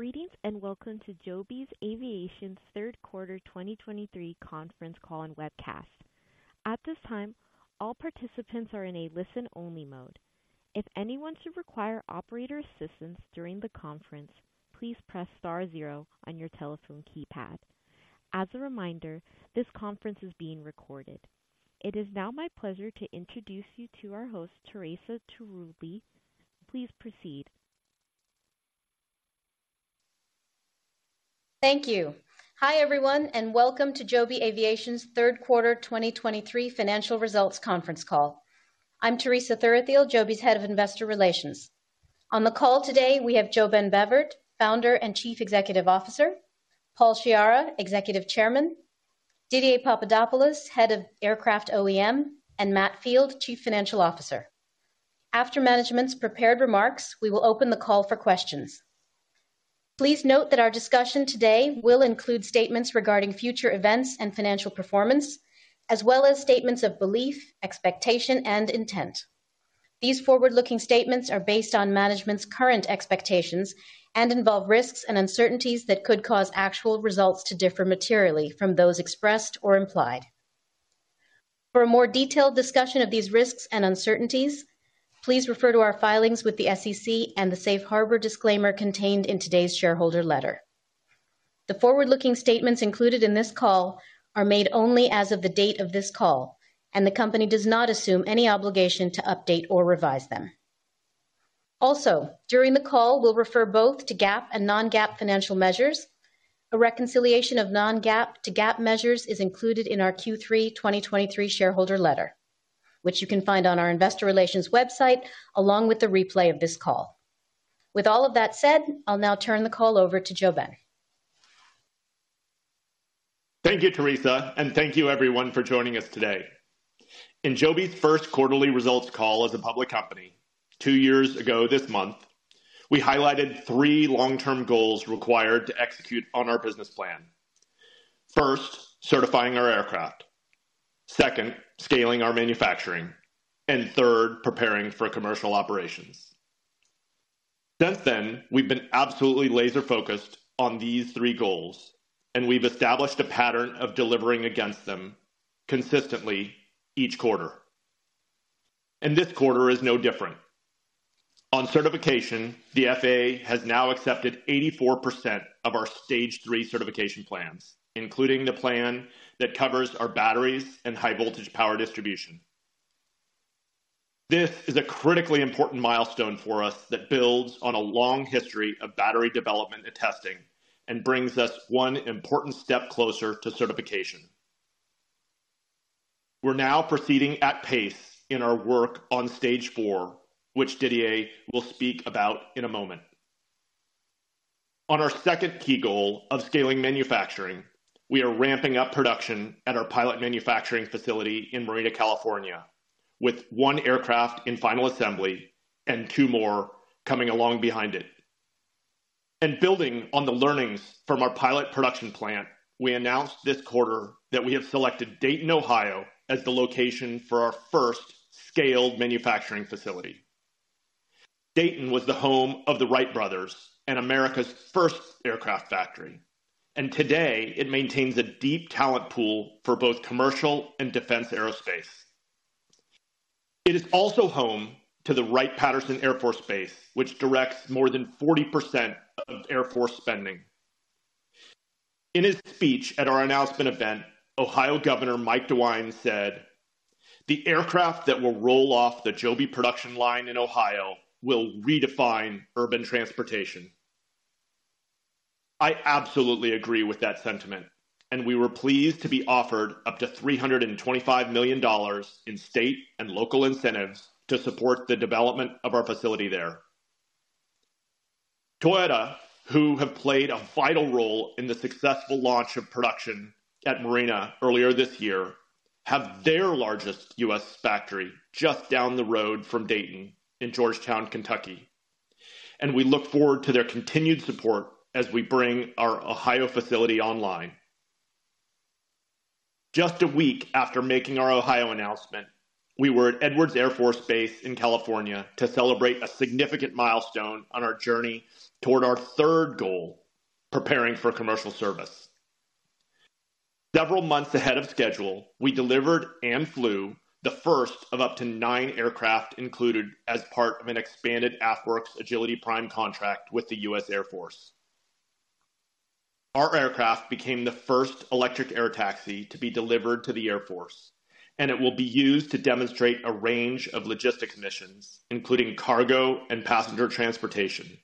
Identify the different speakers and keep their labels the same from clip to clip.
Speaker 1: Greetings, and welcome to Joby Aviation's Q3 2023 Conference Call and Webcast. At this time, all participants are in a listen-only mode. If anyone should require operator assistance during the conference, please press star zero on your telephone keypad. As a reminder, this conference is being recorded. It is now my pleasure to introduce you to our host, Teresa Thuruthiyil. Please proceed.
Speaker 2: Thank you. Hi, everyone, and welcome to Joby Aviation's Q3 2023 Financial Results Conference Call. I'm Teresa Thuruthiyil, Joby's Head of Investor Relations. On the call today, we have JoeBen Bevirt, Founder and Chief Executive Officer, Paul Sciarra, Executive Chairman, Didier Papadopoulos, Head of Aircraft OEM, and Matt Field, Chief Financial Officer. After management's prepared remarks, we will open the call for questions. Please note that our discussion today will include statements regarding future events and financial performance, as well as statements of belief, expectation, and intent. These forward-looking statements are based on management's current expectations and involve risks and uncertainties that could cause actual results to differ materially from those expressed or implied. For a more detailed discussion of these risks and uncertainties, please refer to our filings with the SEC and the Safe Harbor disclaimer contained in today's shareholder letter. The forward-looking statements included in this call are made only as of the date of this call, and the company does not assume any obligation to update or revise them. Also, during the call, we'll refer both to GAAP and non-GAAP financial measures. A reconciliation of non-GAAP to GAAP measures is included in our Q3 2023 shareholder letter, which you can find on our investor relations website, along with the replay of this call. With all of that said, I'll now turn the call over to JoeBen.
Speaker 3: Thank you, Teresa, and thank you everyone for joining us today. In Joby's first quarterly results call as a public company, two years ago this month, we highlighted three long-term goals required to execute on our business plan. First, certifying our aircraft. Second, scaling our manufacturing, and third, preparing for commercial operations. Since then, we've been absolutely laser-focused on these three goals, and we've established a pattern of delivering against them consistently each quarter, and this quarter is no different. On certification, the FAA has now accepted 84% of our Stage 3 Certification Plans, including the plan that covers our batteries and high voltage power distribution. This is a critically important milestone for us that builds on a long history of battery development and testing and brings us one important step closer to certification. We're now proceeding at pace in our work on Stage 4, which Didier will speak about in a moment. On our second key goal of scaling manufacturing, we are ramping up production at our pilot manufacturing facility in Marina, California, with one aircraft in final assembly and two more coming along behind it. Building on the learnings from our pilot production plant, we announced this quarter that we have selected Dayton, Ohio, as the location for our first scaled manufacturing facility. Dayton was the home of the Wright brothers and America's first aircraft factory, and today it maintains a deep talent pool for both commercial and defense aerospace. It is also home to the Wright-Patterson Air Force Base, which directs more than 40% of Air Force spending. In his speech at our announcement event, Ohio Governor Mike DeWine said, "The aircraft that will roll off the Joby production line in Ohio will redefine urban transportation." I absolutely agree with that sentiment, and we were pleased to be offered up to $325 million in state and local incentives to support the development of our facility there. Toyota, who have played a vital role in the successful launch of production at Marina earlier this year, have their largest U.S. factory just down the road from Dayton in Georgetown, Kentucky, and we look forward to their continued support as we bring our Ohio facility online. Just a week after making our Ohio announcement, we were at Edwards Air Force Base in California to celebrate a significant milestone on our journey toward our third goal, preparing for commercial service. Several months ahead of schedule, we delivered and flew the first of up to nine aircraft included as part of an expanded AFWERX Agility Prime contract with the U.S. Air Force. Our aircraft became the first electric air taxi to be delivered to the Air Force, and it will be used to demonstrate a range of logistics missions, including cargo and passenger transportation.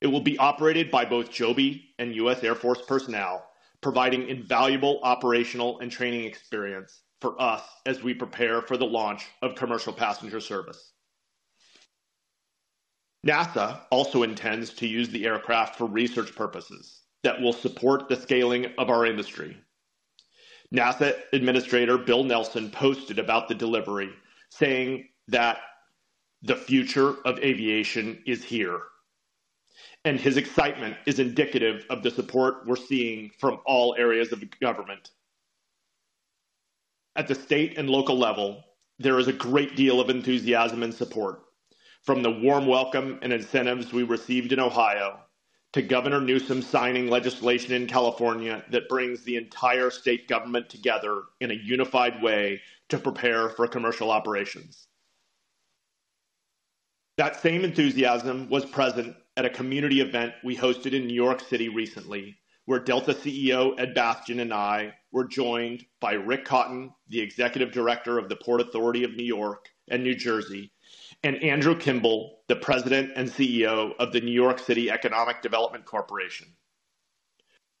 Speaker 3: It will be operated by both Joby and U.S. Air Force personnel, providing invaluable operational and training experience for us as we prepare for the launch of commercial passenger service. NASA also intends to use the aircraft for research purposes that will support the scaling of our industry. NASA Administrator Bill Nelson posted about the delivery, saying that, "The future of aviation is here," and his excitement is indicative of the support we're seeing from all areas of the government. At the state and local level, there is a great deal of enthusiasm and support. From the warm welcome and incentives we received in Ohio, to Governor Newsom signing legislation in California that brings the entire state government together in a unified way to prepare for commercial operations. That same enthusiasm was present at a community event we hosted in New York City recently, where Delta CEO Ed Bastian and I were joined by Rick Cotton, the Executive Director of the Port Authority of New York and New Jersey, and Andrew Kimball, the President and CEO of the New York City Economic Development Corporation.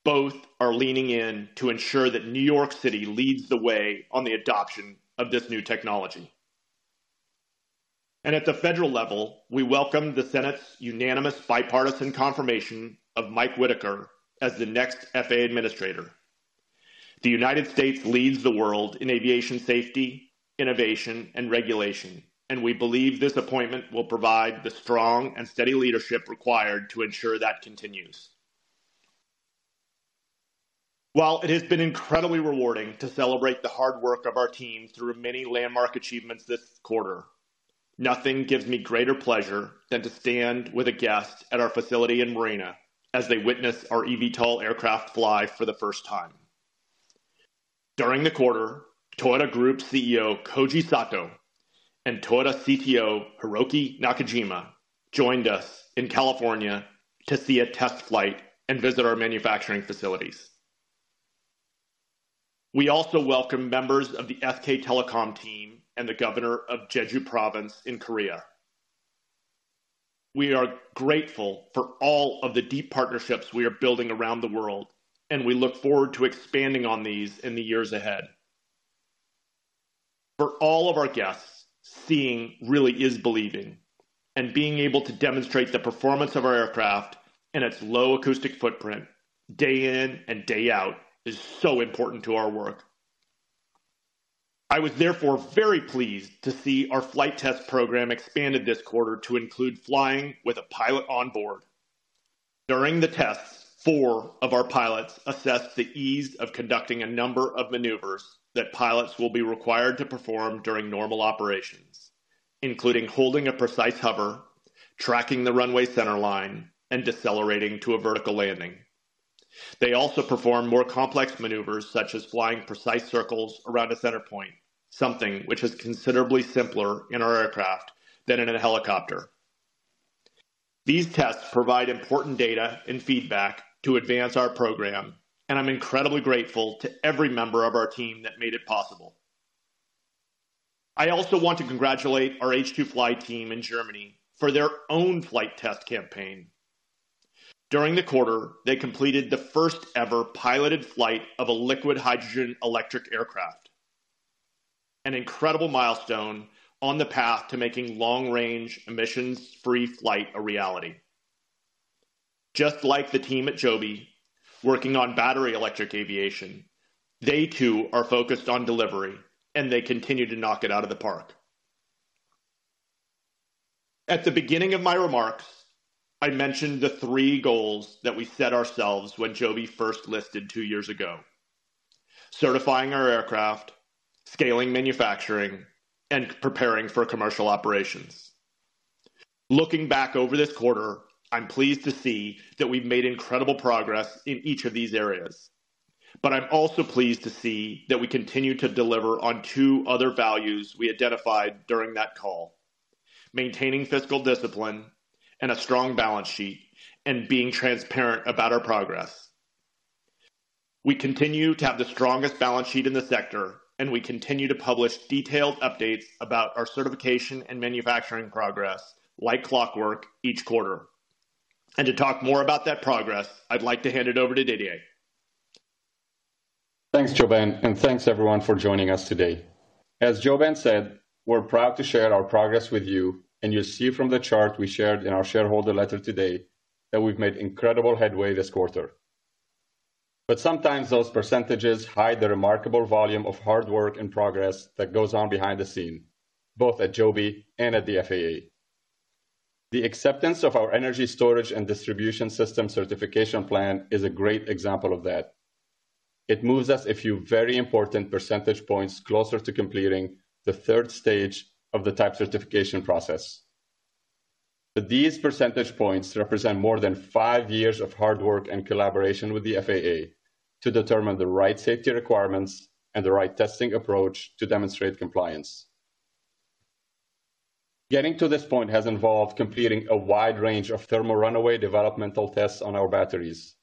Speaker 3: Both are leaning in to ensure that New York City leads the way on the adoption of this new technology. At the federal level, we welcome the Senate's unanimous bipartisan confirmation of Mike Whitaker as the next FAA administrator. The United States leads the world in aviation safety, innovation, and regulation, and we believe this appointment will provide the strong and steady leadership required to ensure that continues. While it has been incredibly rewarding to celebrate the hard work of our team through many landmark achievements this quarter, nothing gives me greater pleasure than to stand with a guest at our facility in Marina as they witness our eVTOL aircraft fly for the first time. During the quarter, Toyota Group CEO Koji Sato and Toyota CTO Hiroki Nakajima joined us in California to see a test flight and visit our manufacturing facilities. We also welcome members of the SK Telecom team and the Governor of Jeju Province in Korea. We are grateful for all of the deep partnerships we are building around the world, and we look forward to expanding on these in the years ahead. For all of our guests, seeing really is believing, and being able to demonstrate the performance of our aircraft and its low acoustic footprint day in and day out is so important to our work. I was therefore very pleased to see our flight test program expanded this quarter to include flying with a pilot on board. During the tests, four of our pilots assessed the ease of conducting a number of maneuvers that pilots will be required to perform during normal operations, including holding a precise hover, tracking the runway centerline, and decelerating to a vertical landing. They also performed more complex maneuvers, such as flying precise circles around a center point, something which is considerably simpler in our aircraft than in a helicopter. These tests provide important data and feedback to advance our program, and I'm incredibly grateful to every member of our team that made it possible. I also want to congratulate our H2FLY team in Germany for their own flight test campaign. During the quarter, they completed the first-ever piloted flight of a liquid hydrogen electric aircraft, an incredible milestone on the path to making long-range, emissions-free flight a reality. Just like the team at Joby working on battery electric aviation, they too are focused on delivery, and they continue to knock it out of the park. At the beginning of my remarks, I mentioned the three goals that we set ourselves when Joby first listed two years ago: certifying our aircraft, scaling manufacturing, and preparing for commercial operations. Looking back over this quarter, I'm pleased to see that we've made incredible progress in each of these areas. But I'm also pleased to see that we continue to deliver on two other values we identified during that call: maintaining fiscal discipline and a strong balance sheet, and being transparent about our progress. We continue to have the strongest balance sheet in the sector, and we continue to publish detailed updates about our certification and manufacturing progress, like clockwork, each quarter. To talk more about that progress, I'd like to hand it over to Didier.
Speaker 4: Thanks, JoeBen, and thanks, everyone, for joining us today. As JoeBen said, we're proud to share our progress with you, and you'll see from the chart we shared in our shareholder letter today that we've made incredible headway this quarter. But sometimes those percentages hide the remarkable volume of hard work and progress that goes on behind the scenes, both at Joby and at the FAA. The acceptance of our energy storage and distribution system certification plan is a great example of that. It moves us a few very important percentage points closer to completing the third stage of the Type Certification process. But these percentage points represent more than five years of hard work and collaboration with the FAA to determine the right safety requirements and the right testing approach to demonstrate compliance. Getting to this point has involved completing a wide range of thermal runaway developmental tests on our batteries,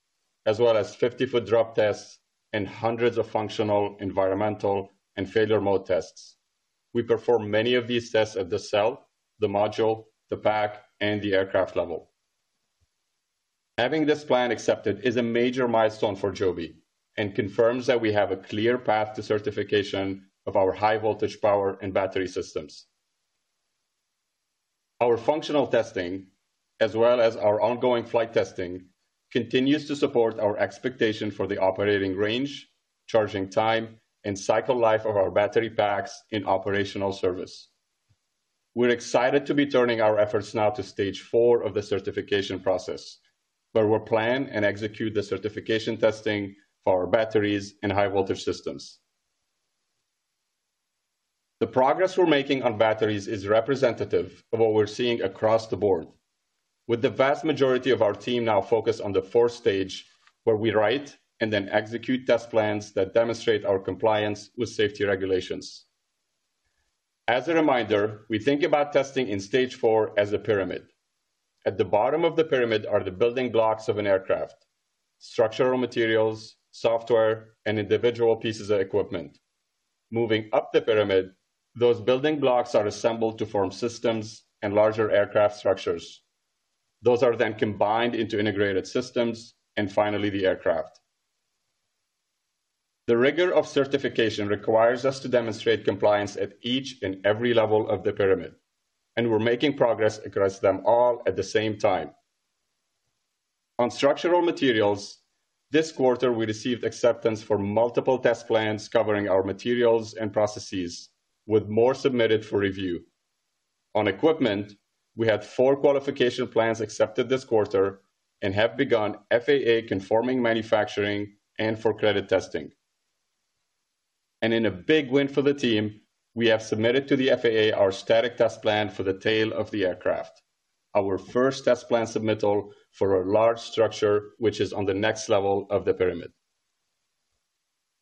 Speaker 4: as well as 50-foot drop tests and hundreds of functional, environmental, and failure mode tests. We perform many of these tests at the cell, the module, the pack, and the aircraft level. Having this plan accepted is a major milestone for Joby and confirms that we have a clear path to certification of our high voltage power and battery systems. Our functional testing, as well as our ongoing flight testing, continues to support our expectation for the operating range, charging time, and cycle life of our battery packs in operational service. We're excited to be turning our efforts now to Stage 4 of the certification process, where we'll plan and execute the certification testing for our batteries and high voltage systems. The progress we're making on batteries is representative of what we're seeing across the board, with the vast majority of our team now focused on Stage 4, where we write and then execute test plans that demonstrate our compliance with safety regulations. As a reminder, we think about testing in Stage 4 as a pyramid. At the bottom of the pyramid are the building blocks of an aircraft, structural materials, software, and individual pieces of equipment. Moving up the pyramid, those building blocks are assembled to form systems and larger aircraft structures. Those are then combined into integrated systems, and finally, the aircraft. The rigor of certification requires us to demonstrate compliance at each and every level of the pyramid, and we're making progress across them all at the same time. On structural materials, this quarter, we received acceptance for multiple test plans covering our materials and processes, with more submitted for review. On equipment, we had four qualification plans accepted this quarter and have begun FAA-conforming manufacturing and for-credit testing. In a big win for the team, we have submitted to the FAA our static test plan for the tail of the aircraft, our first test plan submittal for a large structure, which is on the next level of the pyramid.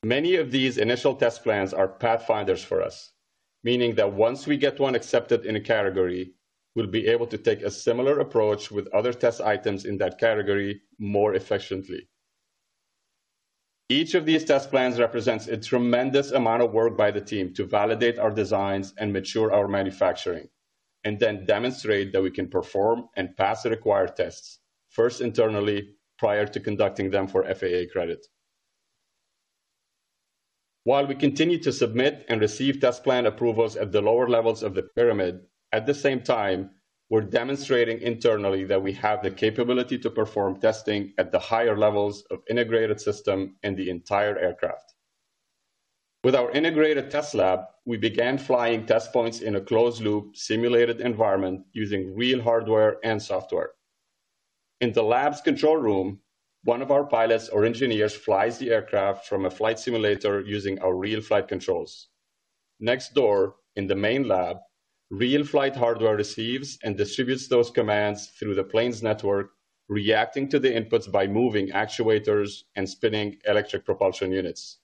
Speaker 4: Many of these initial test plans are pathfinders for us, meaning that once we get one accepted in a category, we'll be able to take a similar approach with other test items in that category more efficiently. Each of these test plans represents a tremendous amount of work by the team to validate our designs and mature our manufacturing, and then demonstrate that we can perform and pass the required tests, first internally, prior to conducting them for FAA credit. While we continue to submit and receive test plan approvals at the lower levels of the pyramid, at the same time, we're demonstrating internally that we have the capability to perform testing at the higher levels of integrated system and the entire aircraft. With our Integrated Test Lab, we began flying test points in a closed-loop, simulated environment using real hardware and software. In the lab's control room, one of our pilots or engineers flies the aircraft from a flight simulator using our real flight controls. Next door, in the main lab, real flight hardware receives and distributes those commands through the plane's network, reacting to the inputs by moving actuators and spinning electric propulsion units.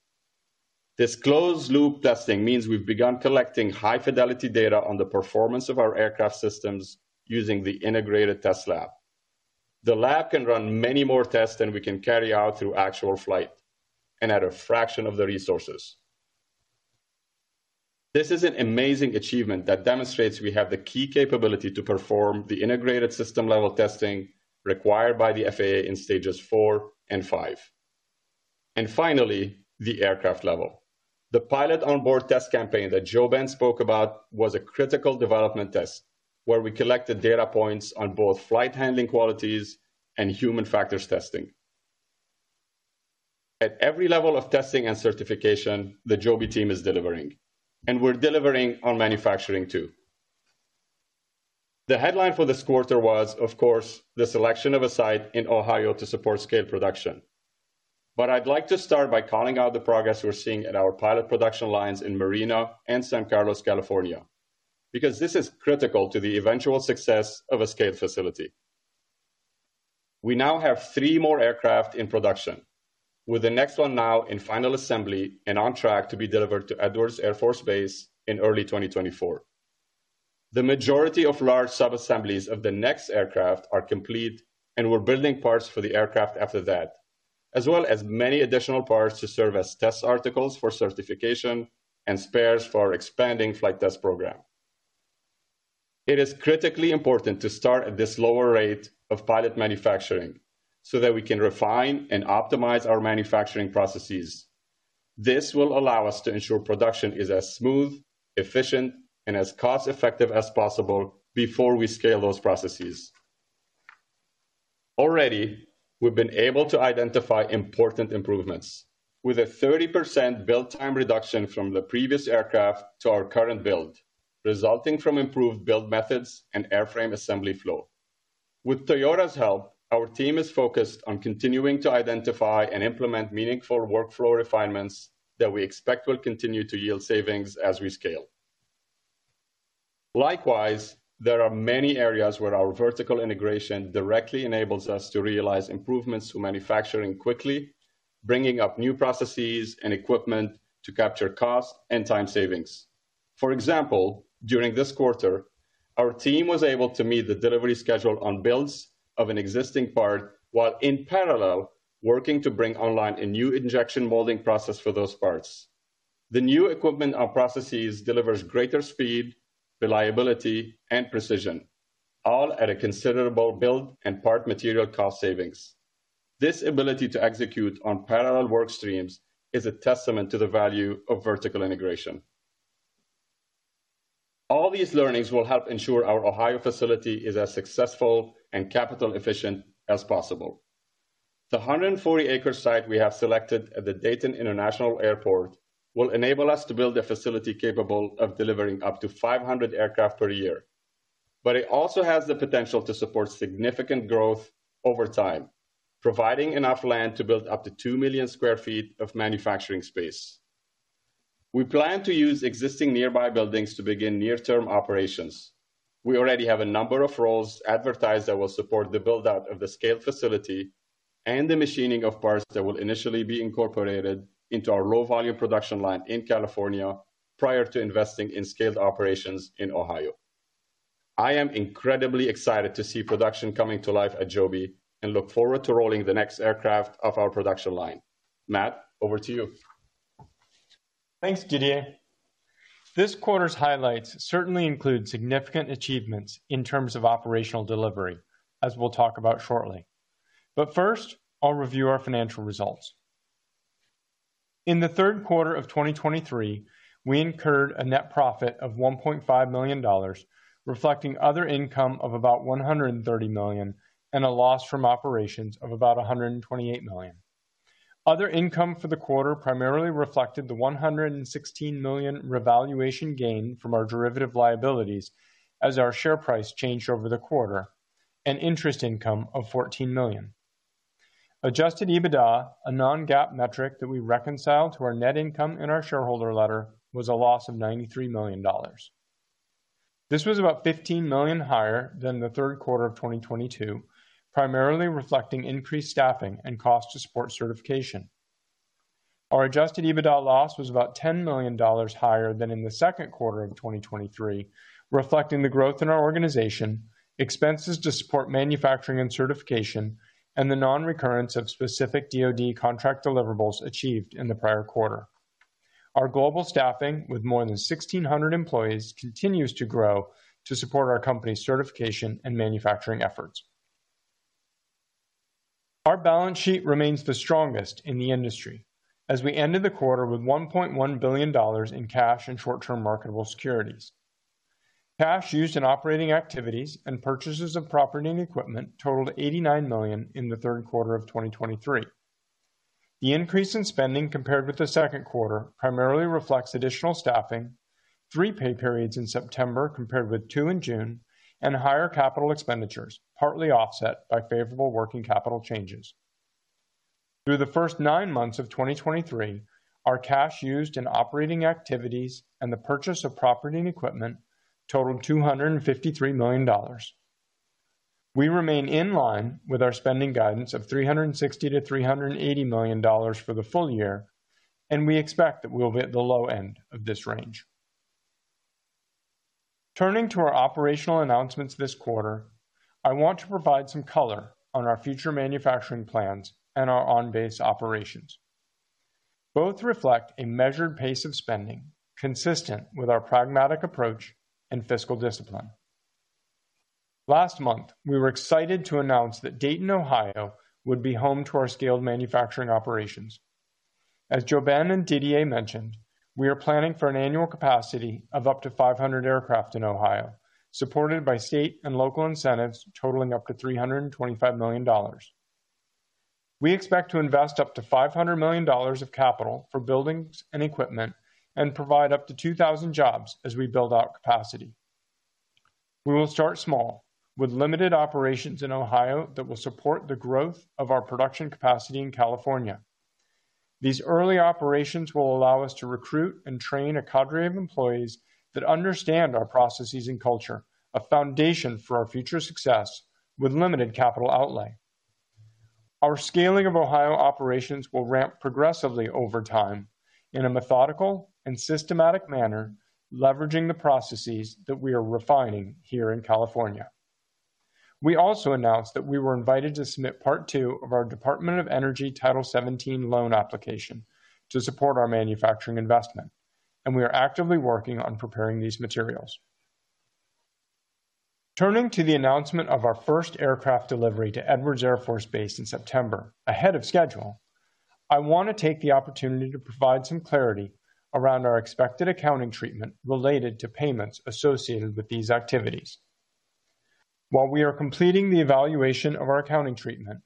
Speaker 4: This closed-loop testing means we've begun collecting high-fidelity data on the performance of our aircraft systems using the Integrated Test Lab. The lab can run many more tests than we can carry out through actual flight, and at a fraction of the resources. This is an amazing achievement that demonstrates we have the key capability to perform the integrated system-level testing required by the FAA in stages four and five. And finally, the aircraft level. The pilot onboard test campaign that JoeBen spoke about was a critical development test, where we collected data points on both flight handling qualities and human factors testing. At every level of testing and certification, the Joby team is delivering, and we're delivering on manufacturing, too. The headline for this quarter was, of course, the selection of a site in Ohio to support scale production. But I'd like to start by calling out the progress we're seeing at our pilot production lines in Marina and San Carlos, California, because this is critical to the eventual success of a scaled facility. We now have three more aircraft in production, with the next one now in final assembly and on track to be delivered to Edwards Air Force Base in early 2024. The majority of large subassemblies of the next aircraft are complete, and we're building parts for the aircraft after that, as well as many additional parts to serve as test articles for certification and spares for our expanding flight test program. It is critically important to start at this lower rate of pilot manufacturing so that we can refine and optimize our manufacturing processes. This will allow us to ensure production is as smooth, efficient, and as cost-effective as possible before we scale those processes. Already, we've been able to identify important improvements, with a 30% build time reduction from the previous aircraft to our current build, resulting from improved build methods and airframe assembly flow. With Toyota's help, our team is focused on continuing to identify and implement meaningful workflow refinements that we expect will continue to yield savings as we scale. Likewise, there are many areas where our vertical integration directly enables us to realize improvements to manufacturing quickly, bringing up new processes and equipment to capture cost and time savings. For example, during this quarter, our team was able to meet the delivery schedule on builds of an existing part, while in parallel, working to bring online a new injection molding process for those parts. The new equipment and processes delivers greater speed, reliability, and precision, all at a considerable build and part material cost savings. This ability to execute on parallel work streams is a testament to the value of vertical integration. All these learnings will help ensure our Ohio facility is as successful and capital efficient as possible. The 140-acre site we have selected at the Dayton International Airport will enable us to build a facility capable of delivering up to 500 aircraft per year. But it also has the potential to support significant growth over time, providing enough land to build up to 2 million sq ft of manufacturing space. We plan to use existing nearby buildings to begin near-term operations. We already have a number of roles advertised that will support the build-out of the scaled facility and the machining of parts that will initially be incorporated into our low-volume production line in California prior to investing in scaled operations in Ohio. I am incredibly excited to see production coming to life at Joby and look forward to rolling the next aircraft off our production line. Matt, over to you.
Speaker 5: Thanks, Didier. This quarter's highlights certainly include significant achievements in terms of operational delivery, as we'll talk about shortly. But first, I'll review our financial results. In the Q3 of 2023, we incurred a net profit of $1.5 million, reflecting other income of about $130 million, and a loss from operations of about $128 million. Other income for the quarter primarily reflected the $116 million revaluation gain from our derivative liabilities as our share price changed over the quarter, an interest income of $14 million. Adjusted EBITDA, a non-GAAP metric that we reconcile to our net income in our shareholder letter, was a loss of $93 million. This was about $15 million higher than the Q3 of 2022, primarily reflecting increased staffing and cost to support certification. Our adjusted EBITDA loss was about $10 million higher than in the Q2 of 2023, reflecting the growth in our organization, expenses to support manufacturing and certification, and the non-recurrence of specific DoD contract deliverables achieved in the prior quarter. Our global staffing, with more than 1,600 employees, continues to grow to support our company's certification and manufacturing efforts. Our balance sheet remains the strongest in the industry as we ended the quarter with $1.1 billion in cash and short-term marketable securities. Cash used in operating activities and purchases of property and equipment totaled $89 million in the Q3 of 2023. The increase in spending compared with the Q2 primarily reflects additional staffing, three pay periods in September, compared with two in June, and higher capital expenditures, partly offset by favorable working capital changes. Through the first nine months of 2023, our cash used in operating activities and the purchase of property and equipment totaled $253 million. We remain in line with our spending guidance of $360 million to $380 million for the full year, and we expect that we'll hit the low end of this range. Turning to our operational announcements this quarter, I want to provide some color on our future manufacturing plans and our on-base operations. Both reflect a measured pace of spending, consistent with our pragmatic approach and fiscal discipline. Last month, we were excited to announce that Dayton, Ohio, would be home to our scaled manufacturing operations. As JoeBen and Didier mentioned, we are planning for an annual capacity of up to 500 aircraft in Ohio, supported by state and local incentives totaling up to $325 million. We expect to invest up to $500 million of capital for buildings and equipment and provide up to 2,000 jobs as we build out capacity. We will start small, with limited operations in Ohio that will support the growth of our production capacity in California. These early operations will allow us to recruit and train a cadre of employees that understand our processes and culture, a foundation for our future success with limited capital outlay. Our scaling of Ohio operations will ramp progressively over time in a methodical and systematic manner, leveraging the processes that we are refining here in California. We also announced that we were invited to submit part two of our Department of Energy Title 17 loan application to support our manufacturing investment, and we are actively working on preparing these materials. Turning to the announcement of our first aircraft delivery to Edwards Air Force Base in September, ahead of schedule, I want to take the opportunity to provide some clarity around our expected accounting treatment related to payments associated with these activities. While we are completing the evaluation of our accounting treatment,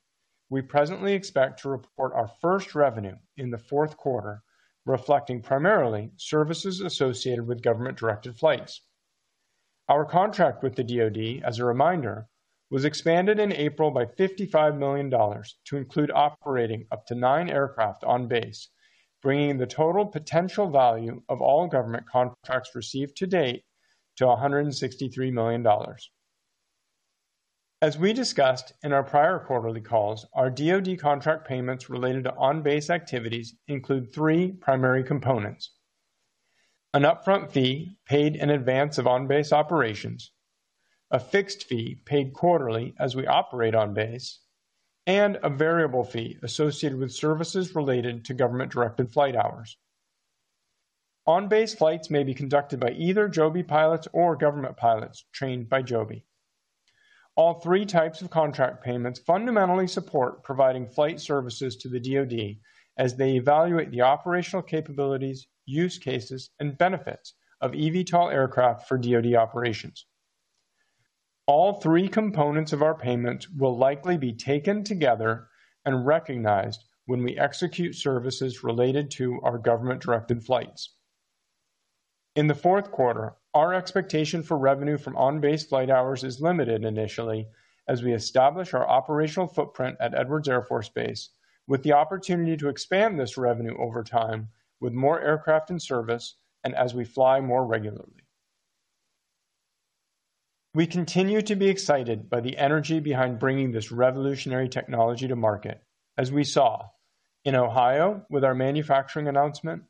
Speaker 5: we presently expect to report our first revenue in the Q4, reflecting primarily services associated with government-directed flights. Our contract with the DoD, as a reminder, was expanded in April by $55 million to include operating up to nine aircraft on base, bringing the total potential volume of all government contracts received to date to $163 million. As we discussed in our prior quarterly calls, our DoD contract payments related to on-base activities include three primary components: an upfront fee paid in advance of on-base operations, a fixed fee paid quarterly as we operate on base, and a variable fee associated with services related to government-directed flight hours. On-base flights may be conducted by either Joby pilots or government pilots trained by Joby. All three types of contract payments fundamentally support providing flight services to the DoD as they evaluate the operational capabilities, use cases, and benefits of eVTOL aircraft for DoD operations. All three components of our payment will likely be taken together and recognized when we execute services related to our government-directed flights. In the Q4, our expectation for revenue from on-base flight hours is limited initially as we establish our operational footprint at Edwards Air Force Base, with the opportunity to expand this revenue over time with more aircraft in service and as we fly more regularly. We continue to be excited by the energy behind bringing this revolutionary technology to market, as we saw in Ohio with our manufacturing announcement,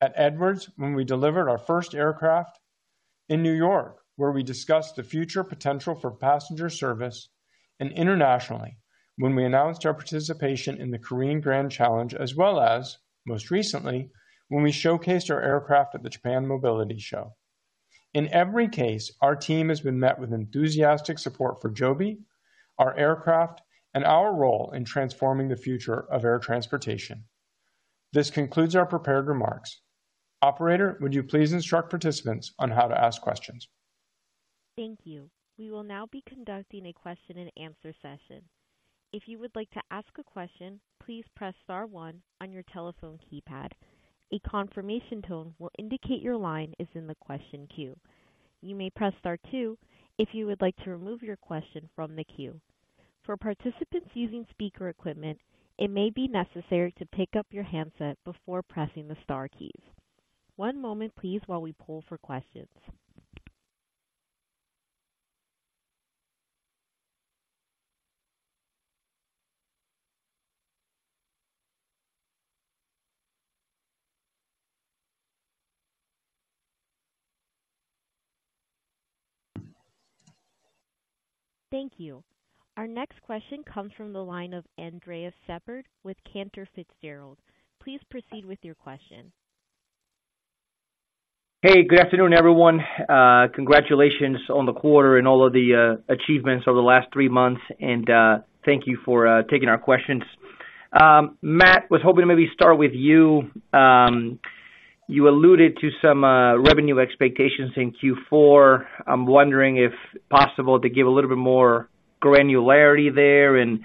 Speaker 5: at Edwards, when we delivered our first aircraft, in New York, where we discussed the future potential for passenger service, and internationally, when we announced our participation in the Korean Grand Challenge, as well as, most recently, when we showcased our aircraft at the Japan Mobility Show. In every case, our team has been met with enthusiastic support for Joby, our aircraft, and our role in transforming the future of air transportation. This concludes our prepared remarks. Operator, would you please instruct participants on how to ask questions?
Speaker 1: Thank you. We will now be conducting a question-and-answer session. If you would like to ask a question, please press star one on your telephone keypad. A confirmation tone will indicate your line is in the question queue. You may press star two if you would like to remove your question from the queue. For participants using speaker equipment, it may be necessary to pick up your handset before pressing the star keys. One moment, please, while we poll for questions. Thank you. Our next question comes from the line of Andres Sheppard with Cantor Fitzgerald. Please proceed with your question.
Speaker 6: Hey, good afternoon, everyone. Congratulations on the quarter and all of the achievements over the last three months, and thank you for taking our questions. Matt, was hoping to maybe start with you. You alluded to some revenue expectations in Q4. I'm wondering if possible, to give a little bit more granularity there, and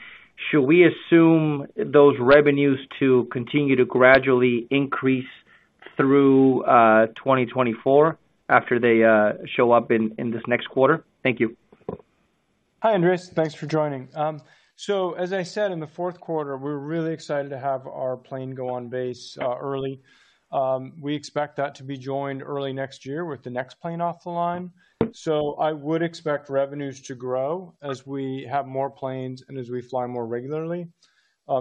Speaker 6: should we assume those revenues to continue to gradually increase through 2024 after they show up in this next quarter? Thank you.
Speaker 5: Hi, Andres. Thanks for joining. So as I said, in the Q4, we're really excited to have our plane go on base, early. We expect that to be joined early next year with the next plane off the line. So I would expect revenues to grow as we have more planes and as we fly more regularly.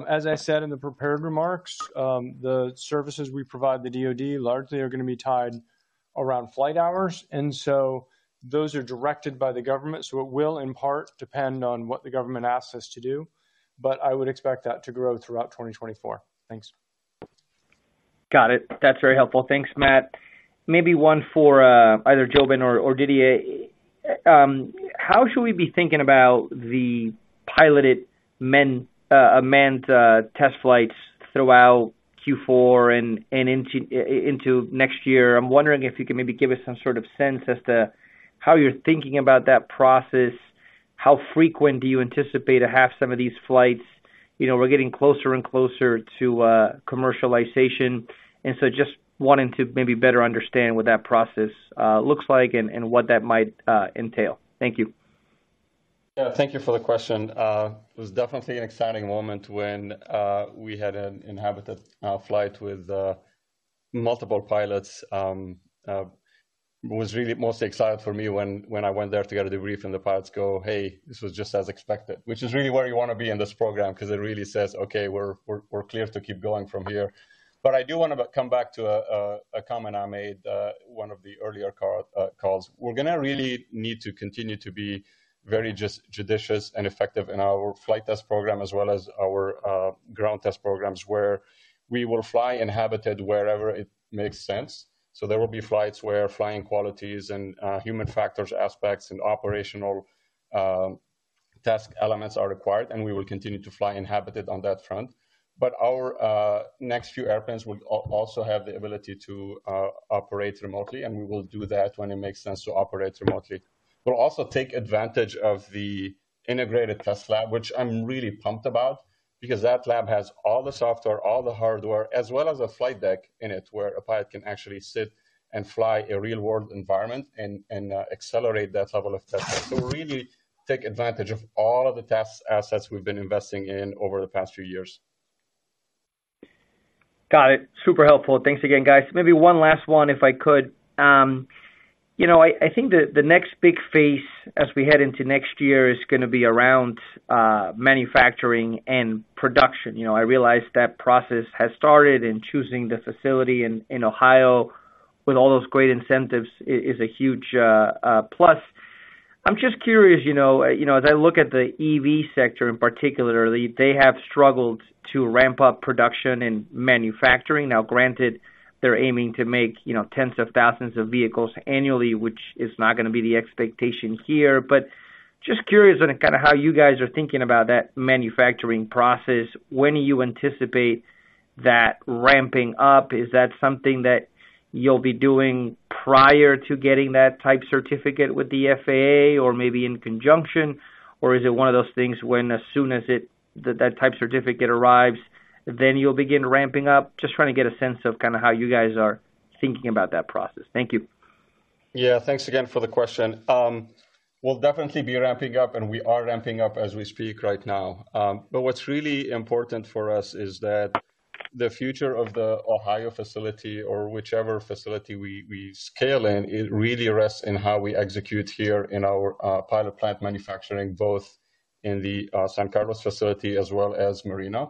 Speaker 5: As I said in the prepared remarks, the services we provide the DoD largely are going to be tied around flight hours, and so those are directed by the government. So it will, in part, depend on what the government asks us to do, but I would expect that to grow throughout 2024. Thanks.
Speaker 6: Got it. That's very helpful. Thanks, Matt. Maybe one for either JoeBen or Didier. How should we be thinking about the piloted manned test flights throughout Q4 and into next year? I'm wondering if you can maybe give us some sort of sense as to how you're thinking about that process. How frequent do you anticipate to have some of these flights? You know, we're getting closer and closer to commercialization, and so just wanting to maybe better understand what that process looks like and what that might entail. Thank you.
Speaker 4: Yeah, thank you for the question. It was definitely an exciting moment when we had an inhabited flight with multiple pilots. It was really mostly exciting for me when I went there to get a debrief and the pilots go, "Hey, this was just as expected." Which is really where you want to be in this program because it really says, "Okay, we're clear to keep going from here." But I do want to come back to a comment I made one of the earlier calls. We're going to really need to continue to be very just judicious and effective in our flight test program, as well as our ground test programs, where we will fly inhabited wherever it makes sense. So there will be flights where flying qualities and human factors aspects, and operational task elements are required, and we will continue to fly inhabited on that front. But our next few airplanes will also have the ability to operate remotely, and we will do that when it makes sense to operate remotely. We'll also take advantage of the integrated test lab, which I'm really pumped about, because that lab has all the software, all the hardware, as well as a flight deck in it, where a pilot can actually sit and fly a real-world environment and accelerate that level of testing. So really take advantage of all of the test assets we've been investing in over the past few years.
Speaker 6: Got it. Super helpful. Thanks again, guys. Maybe one last one, if I could. You know, I, I think the, the next big phase as we head into next year is going to be around, manufacturing and production. You know, I realize that process has started in choosing the facility in, in Ohio with all those great incentives is a huge, plus. I'm just curious, you know, you know, as I look at the EV sector in particularly, they have struggled to ramp up production and manufacturing. Now, granted, they're aiming to make, you know, tens of thousands of vehicles annually, which is not going to be the expectation here, but just curious on kind of how you guys are thinking about that manufacturing process. When do you anticipate that ramping up? Is that something that you'll be doing prior to getting that type certificate with the FAA, or maybe in conjunction? Or is it one of those things when, as soon as it, that type certificate arrives, then you'll begin ramping up? Just trying to get a sense of kind of how you guys are thinking about that process. Thank you.
Speaker 4: Yeah, thanks again for the question. We'll definitely be ramping up, and we are ramping up as we speak right now. But what's really important for us is that the future of the Ohio facility, or whichever facility we scale in, it really rests in how we execute here in our pilot plant manufacturing, both in the San Carlos facility as well as Marina.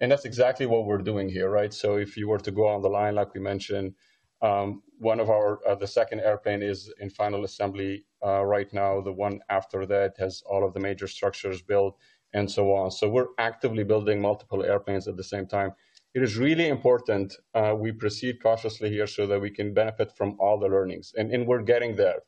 Speaker 4: And that's exactly what we're doing here, right? So if you were to go on the line, like we mentioned, one of our the second airplane is in final assembly right now. The one after that has all of the major structures built and so on. So we're actively building multiple airplanes at the same time. It is really important we proceed cautiously here so that we can benefit from all the learnings, and we're getting there.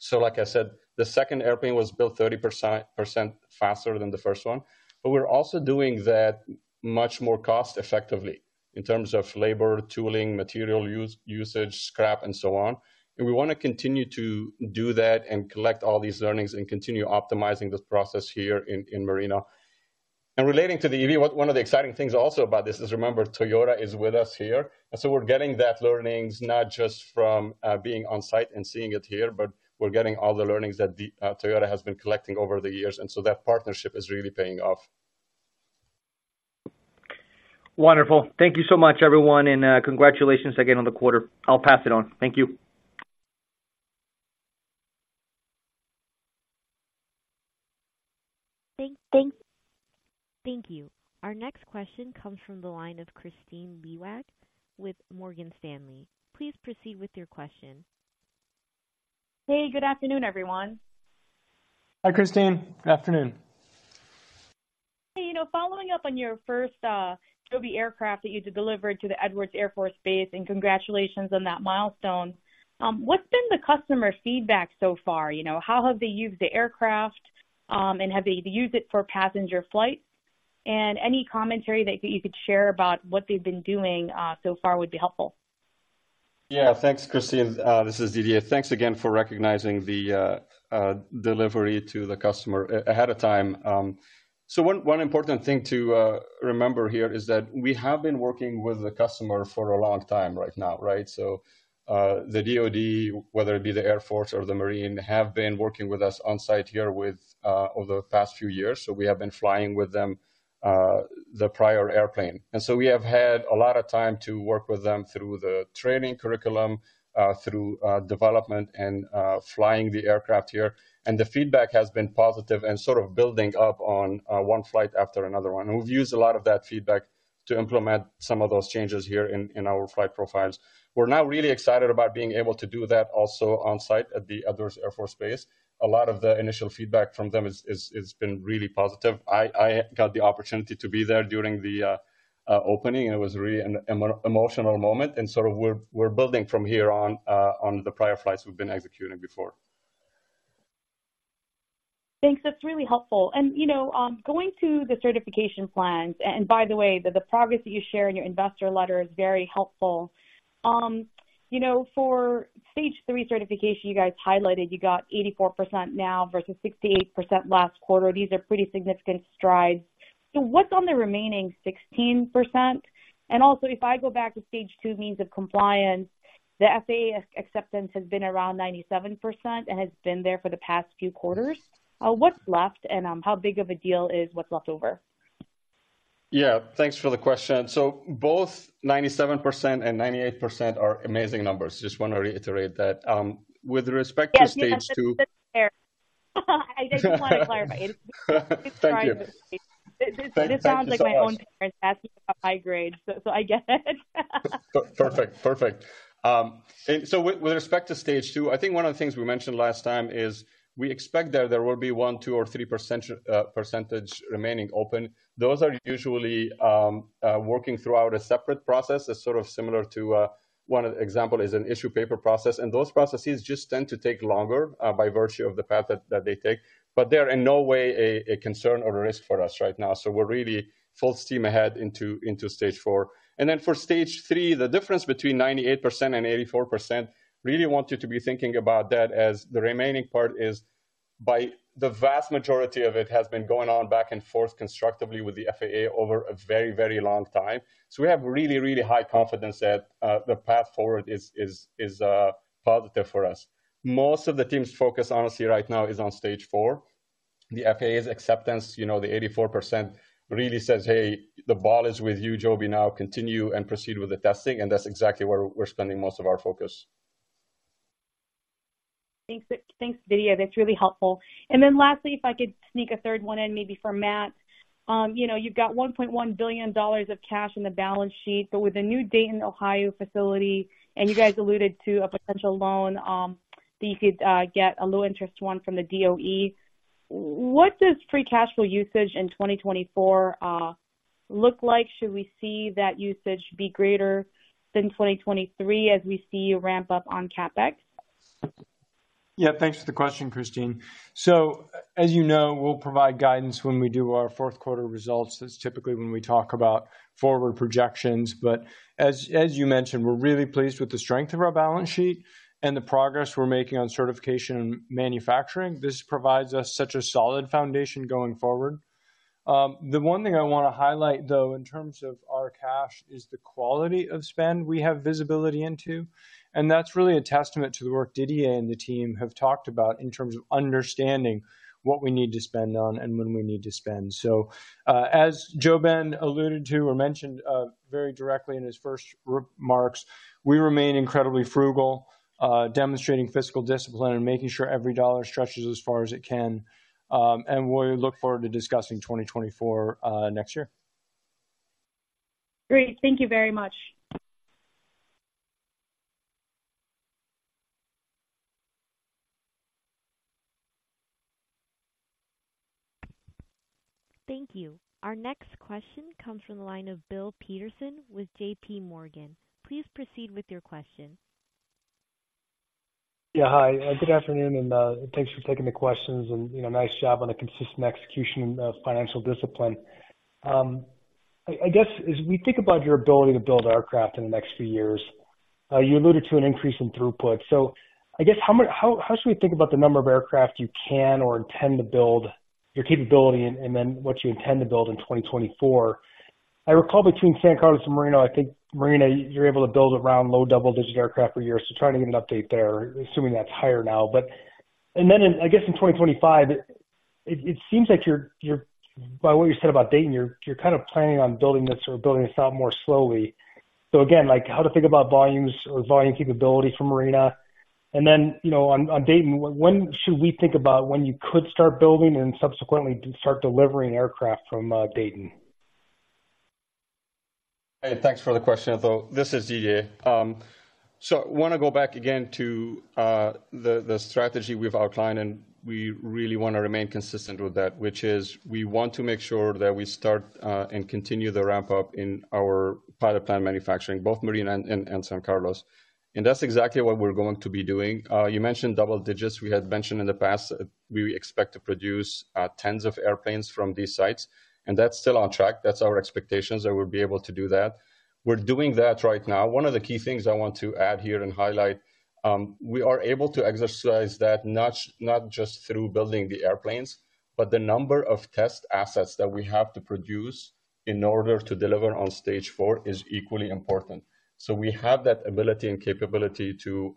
Speaker 4: So like I said, the second airplane was built 30% faster than the first one, but we're also doing that much more cost effectively in terms of labor, tooling, material usage, scrap, and so on. And we wanna continue to do that and collect all these learnings and continue optimizing this process here in Marina. And relating to the EV, one of the exciting things also about this is, remember, Toyota is with us here, and so we're getting that learnings not just from being on site and seeing it here, but we're getting all the learnings that the Toyota has been collecting over the years, and so that partnership is really paying off.
Speaker 6: Wonderful. Thank you so much, everyone, and, congratulations again on the quarter. I'll pass it on. Thank you.
Speaker 1: Thank you. Our next question comes from the line of Kristine Liwag with Morgan Stanley. Please proceed with your question.
Speaker 7: Hey, good afternoon, everyone.
Speaker 4: Hi, Kristine. Good afternoon.
Speaker 7: Hey, you know, following up on your first Joby Aircraft that you delivered to the Edwards Air Force Base, and congratulations on that milestone. What's been the customer feedback so far? You know, how have they used the aircraft, and have they used it for passenger flights? And any commentary that you could share about what they've been doing so far would be helpful.
Speaker 4: Yeah. Thanks, Kristine. This is Didier. Thanks again for recognizing the delivery to the customer ahead of time. So one important thing to remember here is that we have been working with the customer for a long time right now, right? So the DoD, whether it be the Air Force or the Marine, have been working with us on site here with over the past few years, so we have been flying with them the prior airplane. And so we have had a lot of time to work with them through the training curriculum, through development and flying the aircraft here. And the feedback has been positive and sort of building up on one flight after another one. We've used a lot of that feedback to implement some of those changes here in our flight profiles. We're now really excited about being able to do that also on site at the Edwards Air Force Base. A lot of the initial feedback from them has been really positive. I got the opportunity to be there during the opening, and it was really an emotional moment, and sort of we're building from here on on the prior flights we've been executing before.
Speaker 7: Thanks. That's really helpful. And, you know, going to the certification plans, and by the way, the progress that you share in your investor letter is very helpful. You know, for Stage 3 certification, you guys highlighted you got 84% now versus 68% last quarter. These are pretty significant strides. So what's on the remaining 16%? And also, if I go back to Stage Two means of compliance, the FAA acceptance has been around 97% and has been there for the past few quarters. What's left, and, how big of a deal is what's left over?
Speaker 4: Yeah, thanks for the question. So both 97% and 98% are amazing numbers. Just want to reiterate that. With respect to Stage 2-
Speaker 7: I just want to clarify.
Speaker 4: Thank you.
Speaker 7: This sounds like my own parents asking about my grades, so I get it.
Speaker 4: Perfect. And so with respect to Stage 2, I think one of the things we mentioned last time is we expect that there will be 1%, 2%, or 3% remaining open. Those are usually working throughout a separate process. It's sort of similar to one example is an issue paper process, and those processes just tend to take longer by virtue of the path that they take. But they're in no way a concern or a risk for us right now. So we're really full steam ahead into Stage 4. And then for Stage 3, the difference between 98% and 84%, really want you to be thinking about that as the remaining part is by the vast majority of it has been going on back and forth constructively with the FAA over a very, very long time. So we have really, really high confidence that the path forward is positive for us. Most of the team's focus, honestly, right now is on Stage 3. The FAA's acceptance, you know, the 84% really says, "Hey, the ball is with you, Joby. Now continue and proceed with the testing." And that's exactly where we're spending most of our focus.
Speaker 7: Thanks, Didier. That's really helpful. And then lastly, if I could sneak a third one in, maybe for Matt. You know, you've got $1.1 billion of cash on the balance sheet, but with the new Dayton, Ohio, facility, and you guys alluded to a potential loan that you could get a low-interest one from the DOE. What does free cash flow usage in 2024 look like? Should we see that usage be greater than 2023 as we see you ramp up on CapEx?
Speaker 5: Yeah, thanks for the question, Kristine. So, as you know, we'll provide guidance when we do our Q4 results. That's typically when we talk about forward projections. But as you mentioned, we're really pleased with the strength of our balance sheet and the progress we're making on certification and manufacturing. This provides us such a solid foundation going forward. The one thing I wanna highlight, though, in terms of our cash, is the quality of spend we have visibility into, and that's really a testament to the work Didier and the team have talked about in terms of understanding what we need to spend on and when we need to spend. So, as JoeBen alluded to or mentioned, very directly in his first remarks, we remain incredibly frugal, demonstrating fiscal discipline and making sure every dollar stretches as far as it can. We look forward to discussing 2024, next year.
Speaker 7: Great. Thank you very much.
Speaker 1: Thank you. Our next question comes from the line of Bill Peterson with JPMorgan. Please proceed with your question.
Speaker 8: Yeah, hi, good afternoon, and, thanks for taking the questions and, you know, nice job on the consistent execution of financial discipline. I guess, as we think about your ability to build aircraft in the next few years, you alluded to an increase in throughput. So I guess, how should we think about the number of aircraft you can or intend to build, your capability, and, and then what you intend to build in 2024? I recall between San Carlos and Moreno, I think Marina, you're able to build around low double-digit aircraft per year. So trying to get an update there, assuming that's higher now, but I guess, in 2025, it seems like you're, you're by what you said about Dayton, you're kind of planning on building this or building this out more slowly. So again, like, how to think about volumes or volume capability for Marina, and then, you know, on, on Dayton, when should we think about when you could start building and subsequently start delivering aircraft from Dayton?
Speaker 4: Hey, thanks for the question, though. This is Didier. So I wanna go back again to the strategy we've outlined, and we really wanna remain consistent with that, which is we want to make sure that we start and continue the ramp-up in our pilot plant manufacturing, both Marina and San Carlos. And that's exactly what we're going to be doing. You mentioned double digits. We had mentioned in the past that we expect to produce tens of airplanes from these sites, and that's still on track. That's our expectations, that we'll be able to do that. We're doing that right now. One of the key things I want to add here and highlight, we are able to exercise that not, not just through building the airplanes, but the number of test assets that we have to produce in order to deliver on Stage 4 is equally important. So we have that ability and capability to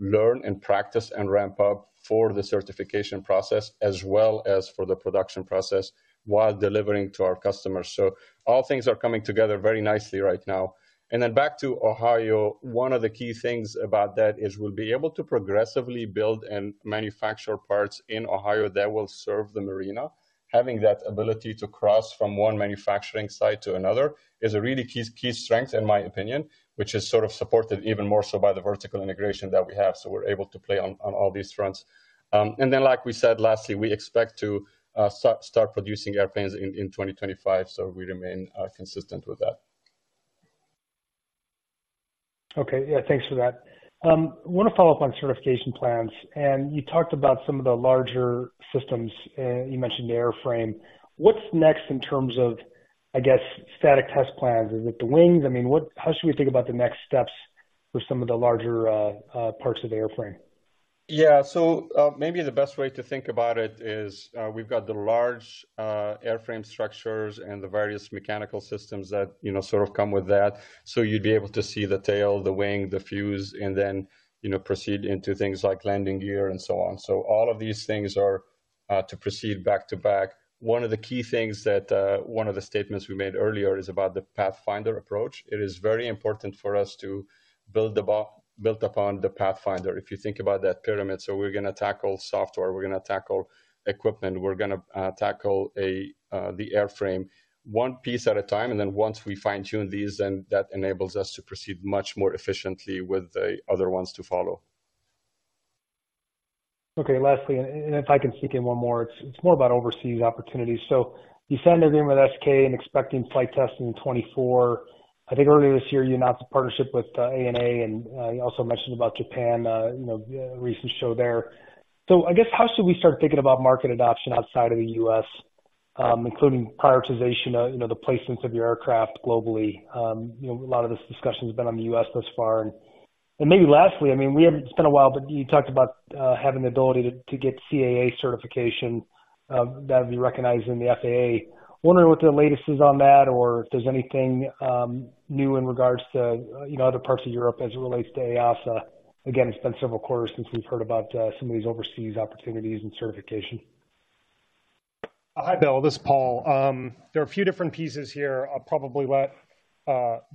Speaker 4: learn and practice and ramp up for the certification process, as well as for the production process while delivering to our customers. So all things are coming together very nicely right now. And then back to Ohio. One of the key things about that is we'll be able to progressively build and manufacture parts in Ohio that will serve the Marina. Having that ability to cross from one manufacturing site to another is a really key, key strength, in my opinion, which is sort of supported even more so by the vertical integration that we have, so we're able to play on, on all these fronts. And then, like we said, lastly, we expect to start producing airplanes in 2025, so we remain consistent with that.
Speaker 8: Okay. Yeah, thanks for that. I want to follow up on certification plans, and you talked about some of the larger systems, you mentioned the airframe. What's next in terms of, I guess, static test plans? Is it the wings? I mean, what- how should we think about the next steps for some of the larger, parts of the airplane?
Speaker 4: Yeah. So, maybe the best way to think about it is, we've got the large airframe structures and the various mechanical systems that, you know, sort of come with that. So you'd be able to see the tail, the wing, the fuselage, and then, you know, proceed into things like landing gear and so on. So all of these things are to proceed back to back. One of the key things that one of the statements we made earlier is about the Pathfinder approach. It is very important for us to build upon the Pathfinder. If you think about that pyramid, so we're gonna tackle software, we're gonna tackle equipment, we're gonna tackle the airframe one piece at a time, and then once we fine-tune these, then that enables us to proceed much more efficiently with the other ones to follow.
Speaker 8: Okay, lastly, if I can sneak in one more, it's more about overseas opportunities. So you signed an agreement with SK and expecting flight testing in 2024. I think earlier this year, you announced a partnership with ANA, and you also mentioned about Japan, you know, recent show there. So I guess, how should we start thinking about market adoption outside of the U.S., including prioritization, you know, the placements of your aircraft globally? You know, a lot of this discussion has been on the U.S. thus far. And maybe lastly, I mean, we haven't, it's been a while, but you talked about having the ability to get CAA certification that would be recognized in the FAA. Wondering what the latest is on that, or if there's anything new in regards to, you know, other parts of Europe as it relates to EASA? Again, it's been several quarters since we've heard about some of these overseas opportunities and certification.
Speaker 9: Hi, Bill, this is Paul. There are a few different pieces here. I'll probably let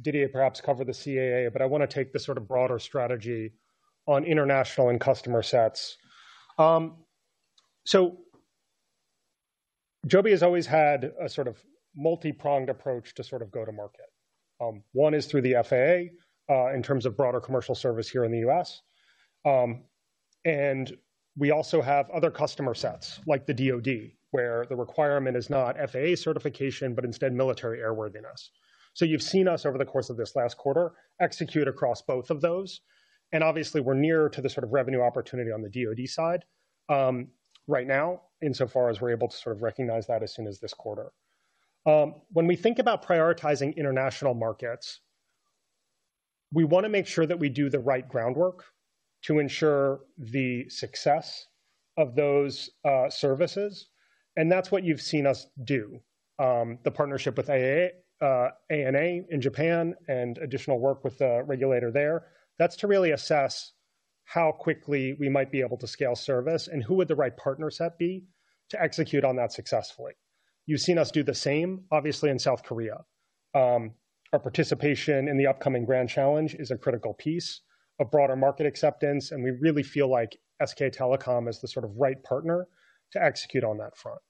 Speaker 9: Didier perhaps cover the CAA, but I want to take the sort of broader strategy on international and customer sets. So Joby has always had a sort of multi-pronged approach to sort of go to market. One is through the FAA, in terms of broader commercial service here in the U.S. We also have other customer sets, like the DoD, where the requirement is not FAA certification, but instead military airworthiness. So you've seen us over the course of this last quarter, execute across both of those. And obviously we're near to the sort of revenue opportunity on the DoD side, right now, insofar as we're able to sort of recognize that as soon as this quarter. When we think about prioritizing international markets, we want to make sure that we do the right groundwork to ensure the success of those, services. And that's what you've seen us do. The partnership with ANA in Japan and additional work with the regulator there, that's to really assess how quickly we might be able to scale service and who would the right partner set be to execute on that successfully. You've seen us do the same, obviously, in South Korea. Our participation in the upcoming Grand Challenge is a critical piece of broader market acceptance, and we really feel like SK Telecom is the sort of right partner to execute on that front.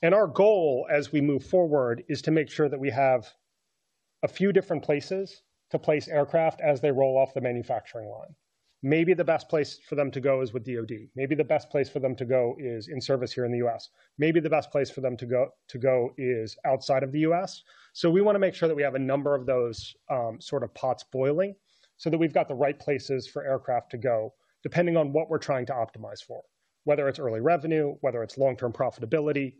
Speaker 9: And our goal as we move forward is to make sure that we have a few different places to place aircraft as they roll off the manufacturing line. Maybe the best place for them to go is with DoD. Maybe the best place for them to go is in service here in the U.S. Maybe the best place for them to go is outside of the U.S. So we want to make sure that we have a number of those, sort of pots boiling so that we've got the right places for aircraft to go, depending on what we're trying to optimize for, whether it's early revenue, whether it's long-term profitability.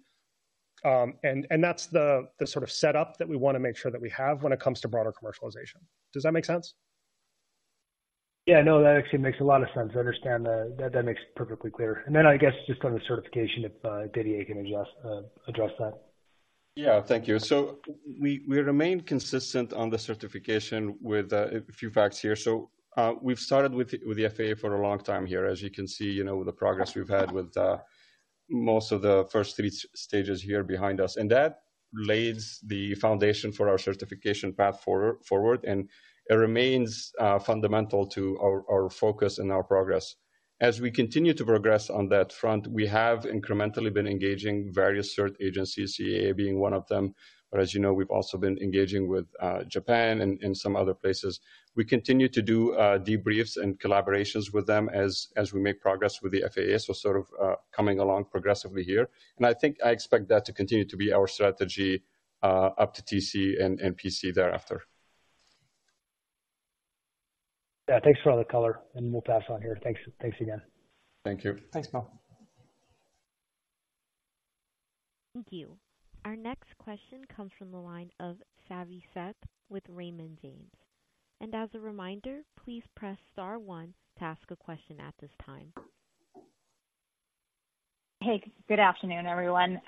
Speaker 9: And that's the sort of setup that we want to make sure that we have when it comes to broader commercialization. Does that make sense?
Speaker 8: Yeah. No, that actually makes a lot of sense. I understand that. That makes perfectly clear. And then I guess just on the certification, if Didier can adjust, address that.
Speaker 4: Yeah, thank you. So we remain consistent on the certification with a few facts here. So, we've started with the FAA for a long time here. As you can see, you know, the progress we've had with most of the first three stages here behind us, and that lays the foundation for our certification path forward, and it remains fundamental to our focus and our progress. As we continue to progress on that front, we have incrementally been engaging various cert agencies, CAA being one of them. But as you know, we've also been engaging with Japan and some other places. We continue to do debriefs and collaborations with them as we make progress with the FAA, so sort of coming along progressively here. I think I expect that to continue to be our strategy up to TC and PC thereafter.
Speaker 8: Yeah, thanks for all the color, and we'll pass on here. Thanks. Thanks again.
Speaker 4: Thank you.
Speaker 9: Thanks, Bill.
Speaker 1: Thank you. Our next question comes from the line of Savi Syth with Raymond James. As a reminder, please press star one to ask a question at this time.
Speaker 10: Hey, good afternoon, everyone.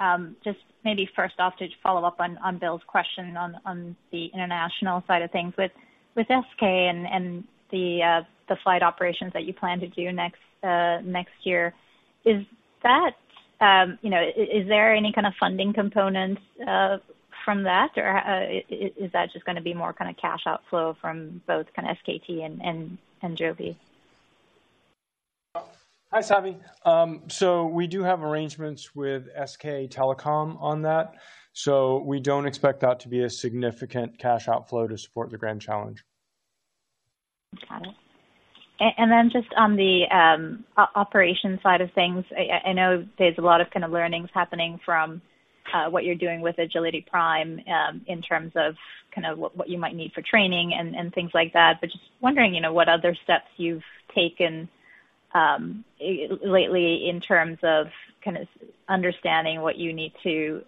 Speaker 10: Just maybe first off, to follow up on Bill's question on the international side of things with SK and the flight operations that you plan to do next year. Is that, you know, is there any kind of funding components from that, or is that just gonna be more kind of cash outflow from both kind of SKT and Joby?
Speaker 9: Hi, Savi. We do have arrangements with SK Telecom on that, so we don't expect that to be a significant cash outflow to support the Grand Challenge.
Speaker 10: Got it. And then just on the operation side of things, I know there's a lot of kind of learnings happening from what you're doing with Agility Prime, in terms of kind of what you might need for training and things like that. But just wondering, you know, what other steps you've taken lately in terms of kind of understanding what you need to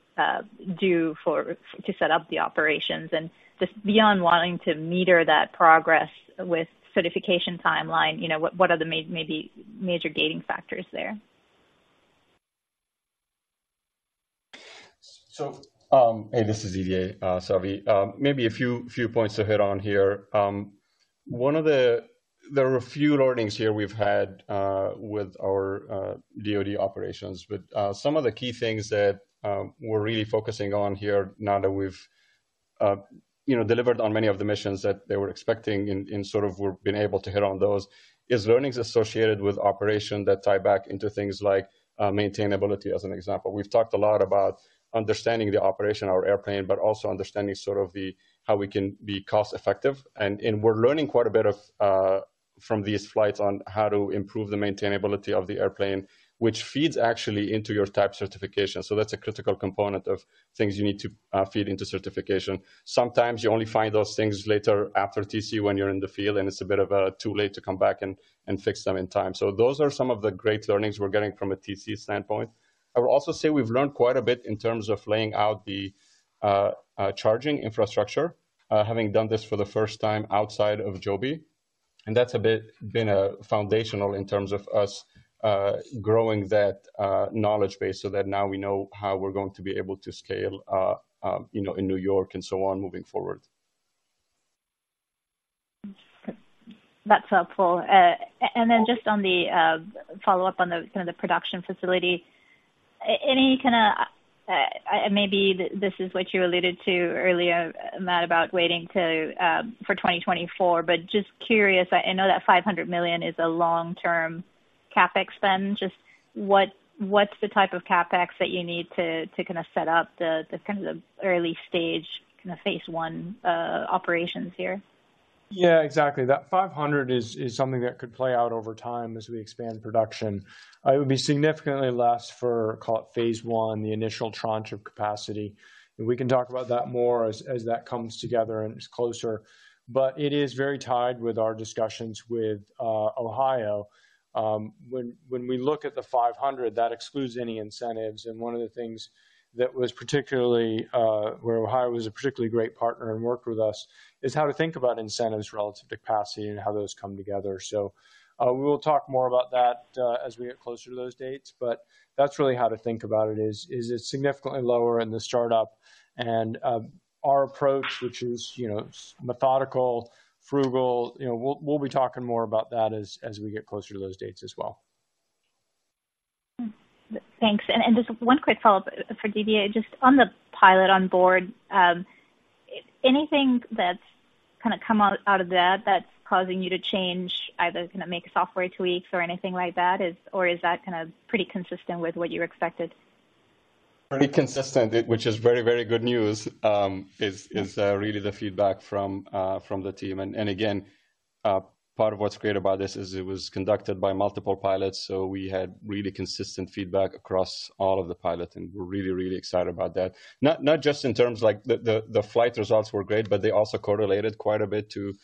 Speaker 10: do for to set up the operations and just beyond wanting to meter that progress with certification timeline, you know, what are the maybe major gating factors there?
Speaker 4: So, hey, this is Didier, Savi. Maybe a few points to hit on here. There are a few learnings here we've had with our DoD operations. But some of the key things that we're really focusing on here, now that we've, you know, delivered on many of the missions that they were expecting and sort of we've been able to hit on those, is learnings associated with operation that tie back into things like maintainability, as an example. We've talked a lot about understanding the operation of our airplane, but also understanding sort of the how we can be cost effective. And we're learning quite a bit from these flights on how to improve the maintainability of the airplane, which feeds actually into your Type Certification. So that's a critical component of things you need to feed into certification. Sometimes you only find those things later after TC, when you're in the field, and it's a bit of too late to come back and fix them in time. So those are some of the great learnings we're getting from a TC standpoint. I would also say we've learned quite a bit in terms of laying out the charging infrastructure, having done this for the first time outside of Joby, and that's a bit been foundational in terms of us growing that knowledge base, so that now we know how we're going to be able to scale, you know, in New York and so on, moving forward.
Speaker 10: That's helpful. And then just on the follow-up on the kind of the production facility, any kind of maybe this is what you alluded to earlier, Matt, about waiting to for 2024, but just curious, I know that $500 million is a long-term CapEx spend, just what's the type of CapEx that you need to kind of set up the kind of the early stage, kind of phase one operations here?
Speaker 3: Yeah, exactly. That $500 million is something that could play out over time as we expand production. It would be significantly less for, call it phase one, the initial tranche of capacity. And we can talk about that more as that comes together and it's closer. But it is very tied with our discussions with Ohio. When we look at the $500 million, that excludes any incentives. And one of the things that was particularly where Ohio was a particularly great partner and worked with us, is how to think about incentives relative to capacity and how those come together. So, we will talk more about that as we get closer to those dates. But that's really how to think about it, it's significantly lower in the startup. Our approach, which is, you know, methodical, frugal, you know, we'll be talking more about that as we get closer to those dates as well.
Speaker 10: Thanks. And just one quick follow-up for Didier. Just on the pilot on board, anything that's kind of come out of that, that's causing you to change, either going to make software tweaks or anything like that? Is or is that kind of pretty consistent with what you expected?
Speaker 4: Pretty consistent, which is very, very good news, is really the feedback from the team. And again, part of what's great about this is it was conducted by multiple pilots, so we had really consistent feedback across all of the pilots, and we're really, really excited about that. Not just in terms like the flight results were great, but they also correlated quite a bit to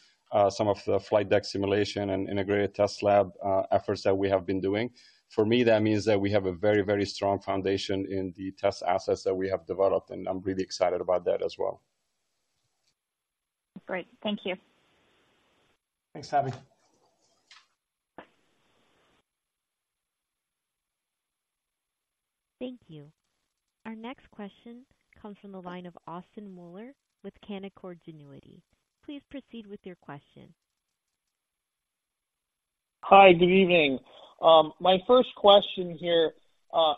Speaker 4: some of the flight deck simulation and integrated test lab efforts that we have been doing. For me, that means that we have a very strong foundation in the test assets that we have developed, and I'm really excited about that as well.
Speaker 10: Great. Thank you.
Speaker 3: Thanks, Savi
Speaker 1: Thank you. Our next question comes from the line of Austin Moeller with Canaccord Genuity. Please proceed with your question.
Speaker 11: Hi, good evening. My first question here,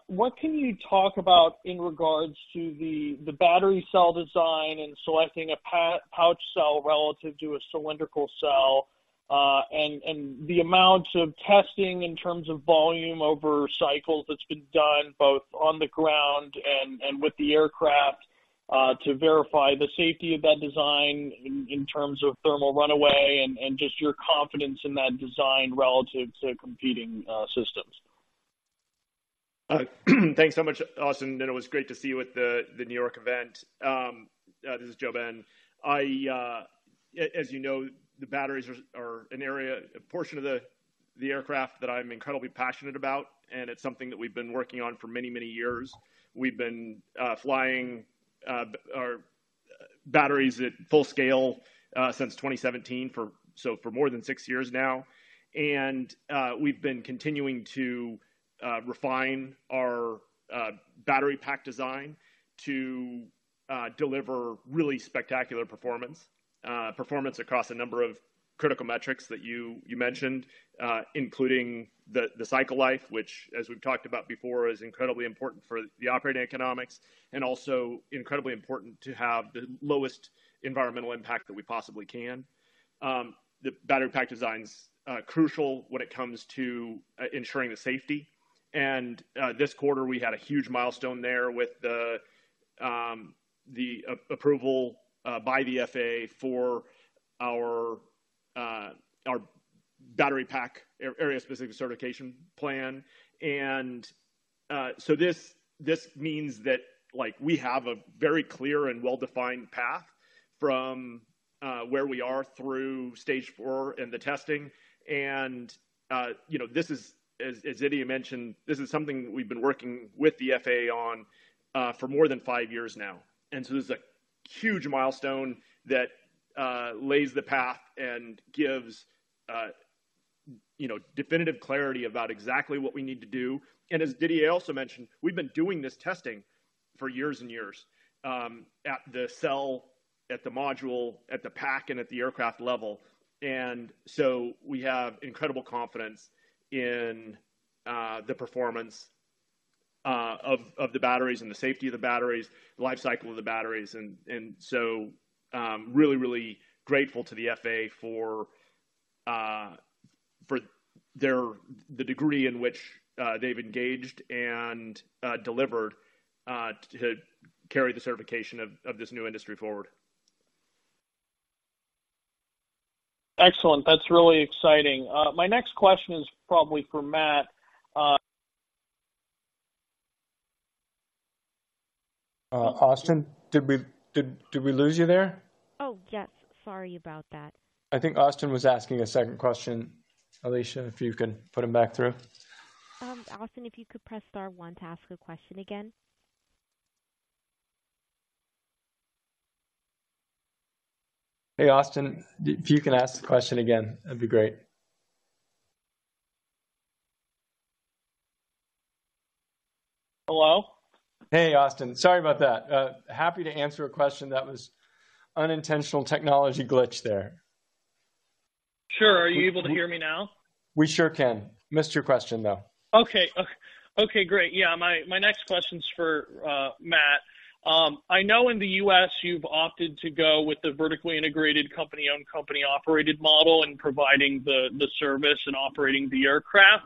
Speaker 11: what can you talk about in regards to the battery cell design and selecting a pouch cell relative to a cylindrical cell, and the amounts of testing in terms of volume over cycles that's been done both on the ground and with the aircraft, to verify the safety of that design in terms of thermal runaway and just your confidence in that design relative to competing systems?
Speaker 3: Thanks so much, Austin, and it was great to see you at the New York event. This is JoeBen. As you know, the batteries are an area, a portion of the aircraft that I'm incredibly passionate about, and it's something that we've been working on for many, many years. We've been flying our batteries at full scale since 2017 for more than six years now. And we've been continuing to refine our battery pack design to deliver really spectacular performance. Performance across a number of critical metrics that you mentioned, including the cycle life, which, as we've talked about before, is incredibly important for the operating economics and also incredibly important to have the lowest environmental impact that we possibly can. The battery pack design's crucial when it comes to ensuring the safety. And this quarter, we had a huge milestone there with the approval by the FAA for our battery pack area specific certification plan. And so this means that, like, we have a very clear and well-defined path from where we are through Stage 4 and the testing. And you know, this is, as Didier mentioned, this is something we've been working with the FAA on for more than five years now. And so this is a huge milestone that lays the path and gives you know, definitive clarity about exactly what we need to do. As Didier also mentioned, we've been doing this testing for years and years at the cell, at the module, at the pack, and at the aircraft level. So we have incredible confidence in the performance of the batteries and the safety of the batteries, the life cycle of the batteries. So really, really grateful to the FAA for the degree in which they've engaged and delivered to carry the certification of this new industry forward.
Speaker 11: Excellent. That's really exciting. My next question is probably for Matt.
Speaker 4: Austin, did we lose you there?
Speaker 1: Oh, yes, sorry about that.
Speaker 4: I think Austin was asking a second question. Alicia, if you can put him back through.
Speaker 1: Austin, if you could press star one to ask a question again.
Speaker 4: Hey, Austin, if you can ask the question again, that'd be great.
Speaker 11: Hello?
Speaker 4: Hey, Austin. Sorry about that. Happy to answer a question. That was an unintentional technology glitch there.
Speaker 11: Sure. Are you able to hear me now?
Speaker 4: We sure can. Missed your question, though.
Speaker 11: Okay, great. Yeah, my next question's for Matt. I know in the U.S. you've opted to go with the vertically integrated company-owned, company-operated model and providing the service and operating the aircraft.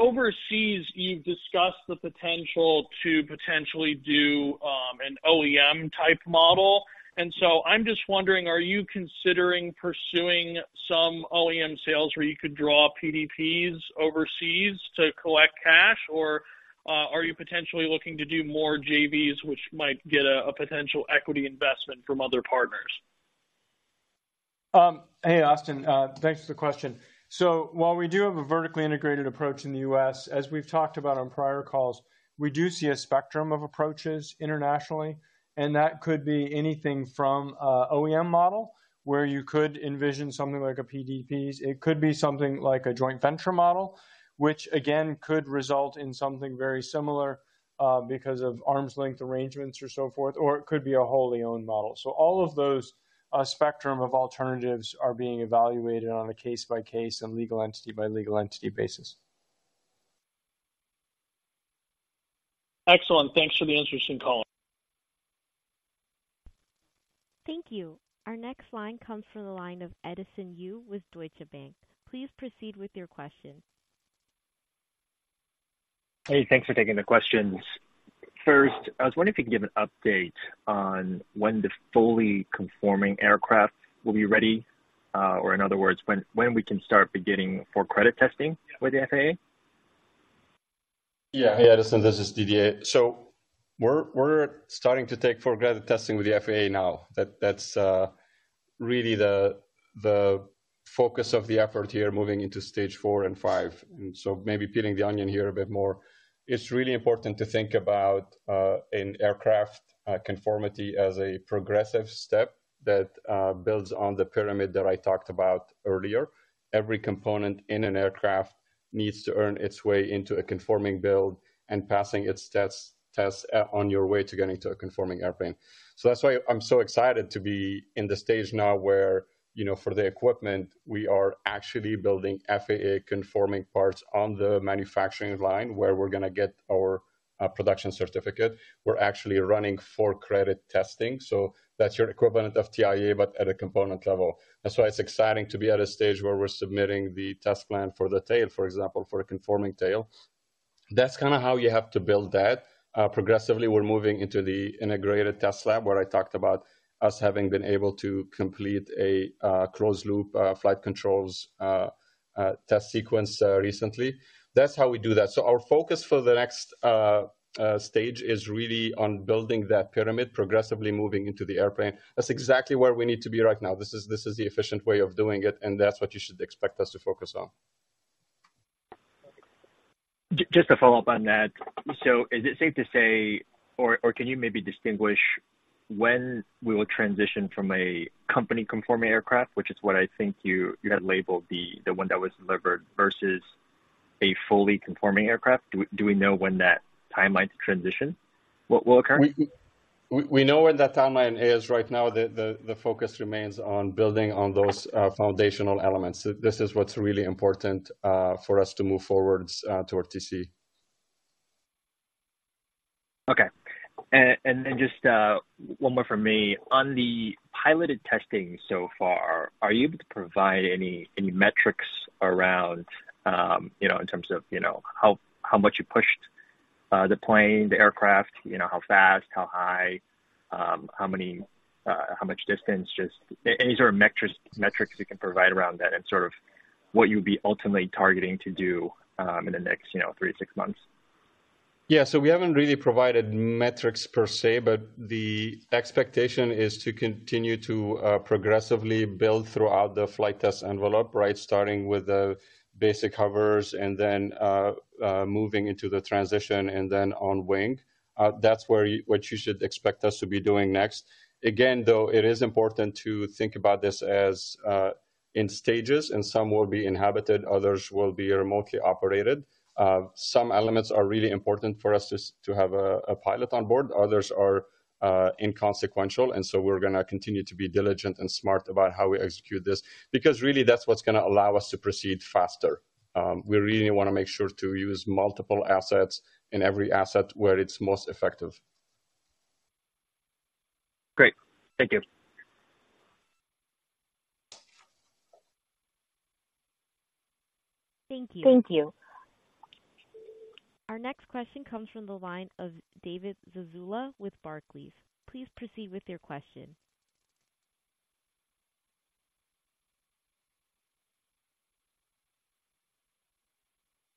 Speaker 11: Overseas, you've discussed the potential to potentially do an OEM-type model. And so I'm just wondering, are you considering pursuing some OEM sales where you could draw PDPs overseas to collect cash? Or are you potentially looking to do more JVs, which might get a potential equity investment from other partners?
Speaker 5: Hey, Austin, thanks for the question. So while we do have a vertically integrated approach in the U.S., as we've talked about on prior calls, we do see a spectrum of approaches internationally, and that could be anything from OEM model, where you could envision something like a PDPs. It could be something like a joint venture model, which again, could result in something very similar, because of arm's length arrangements or so forth, or it could be a wholly owned model. So all of those spectrum of alternatives are being evaluated on a case-by-case and legal entity by legal entity basis.
Speaker 11: Excellent. Thanks for the interesting call.
Speaker 1: Thank you. Our next line comes from the line of Edison Yu with Deutsche Bank. Please proceed with your question.
Speaker 12: Hey, thanks for taking the questions. First, I was wondering if you could give an update on when the fully conforming aircraft will be ready, or in other words, when we can start beginning for cert testing with the FAA?
Speaker 4: Yeah. Hey, Edison, this is Didier. So we're starting to take type certification testing with the FAA now. That's really the focus of the effort here, moving into stage 4 and 5. And so maybe peeling the onion here a bit more. It's really important to think about an aircraft conformity as a progressive step that builds on the pyramid that I talked about earlier. Every component in an aircraft needs to earn its way into a conforming build and passing its tests on your way to getting to a conforming airplane. So that's why I'm so excited to be in the stage now where, you know, for the equipment, we are actually building FAA-conforming parts on the manufacturing line, where we're going to get our production certificate. We're actually running for credit testing, so that's your equivalent of TIA, but at a component level. That's why it's exciting to be at a stage where we're submitting the test plan for the tail, for example, for a conforming tail. That's kind of how you have to build that. Progressively, we're moving into the integrated test lab, where I talked about us having been able to complete a closed loop flight controls test sequence recently. That's how we do that. So our focus for the next stage is really on building that pyramid, progressively moving into the airplane. That's exactly where we need to be right now. This is the efficient way of doing it, and that's what you should expect us to focus on.
Speaker 12: Just to follow up on that, so is it safe to say, or can you maybe distinguish when we will transition from a company-conforming aircraft, which is what I think you had labeled the one that was delivered, versus a fully conforming aircraft? Do we know when that timeline to transition will occur?
Speaker 4: We know where that timeline is right now. The focus remains on building on those foundational elements. This is what's really important for us to move forward toward TC.
Speaker 12: Okay. And just one more from me. On the piloted testing so far, are you able to provide any metrics around, you know, in terms of, you know, how much you pushed the plane, the aircraft, you know, how fast, how high, how many, how much distance? Just any sort of metrics you can provide around that and sort of what you'd be ultimately targeting to do in the next, you know, three to six months.
Speaker 4: Yeah, so we haven't really provided metrics per se, but the expectation is to continue to progressively build throughout the flight test envelope, right? Starting with the basic hovers and then moving into the transition and then on wing. That's what you should expect us to be doing next. Again, though, it is important to think about this as in stages, and some will be inhabited, others will be remotely operated. Some elements are really important for us to have a pilot on board, others are inconsequential. And so we're going to continue to be diligent and smart about how we execute this, because really, that's what's going to allow us to proceed faster. We really want to make sure to use multiple assets in every asset where it's most effective.
Speaker 12: Great. Thank you.
Speaker 1: Thank you. Thank you. Our next question comes from the line of David Zazula with Barclays. Please proceed with your question.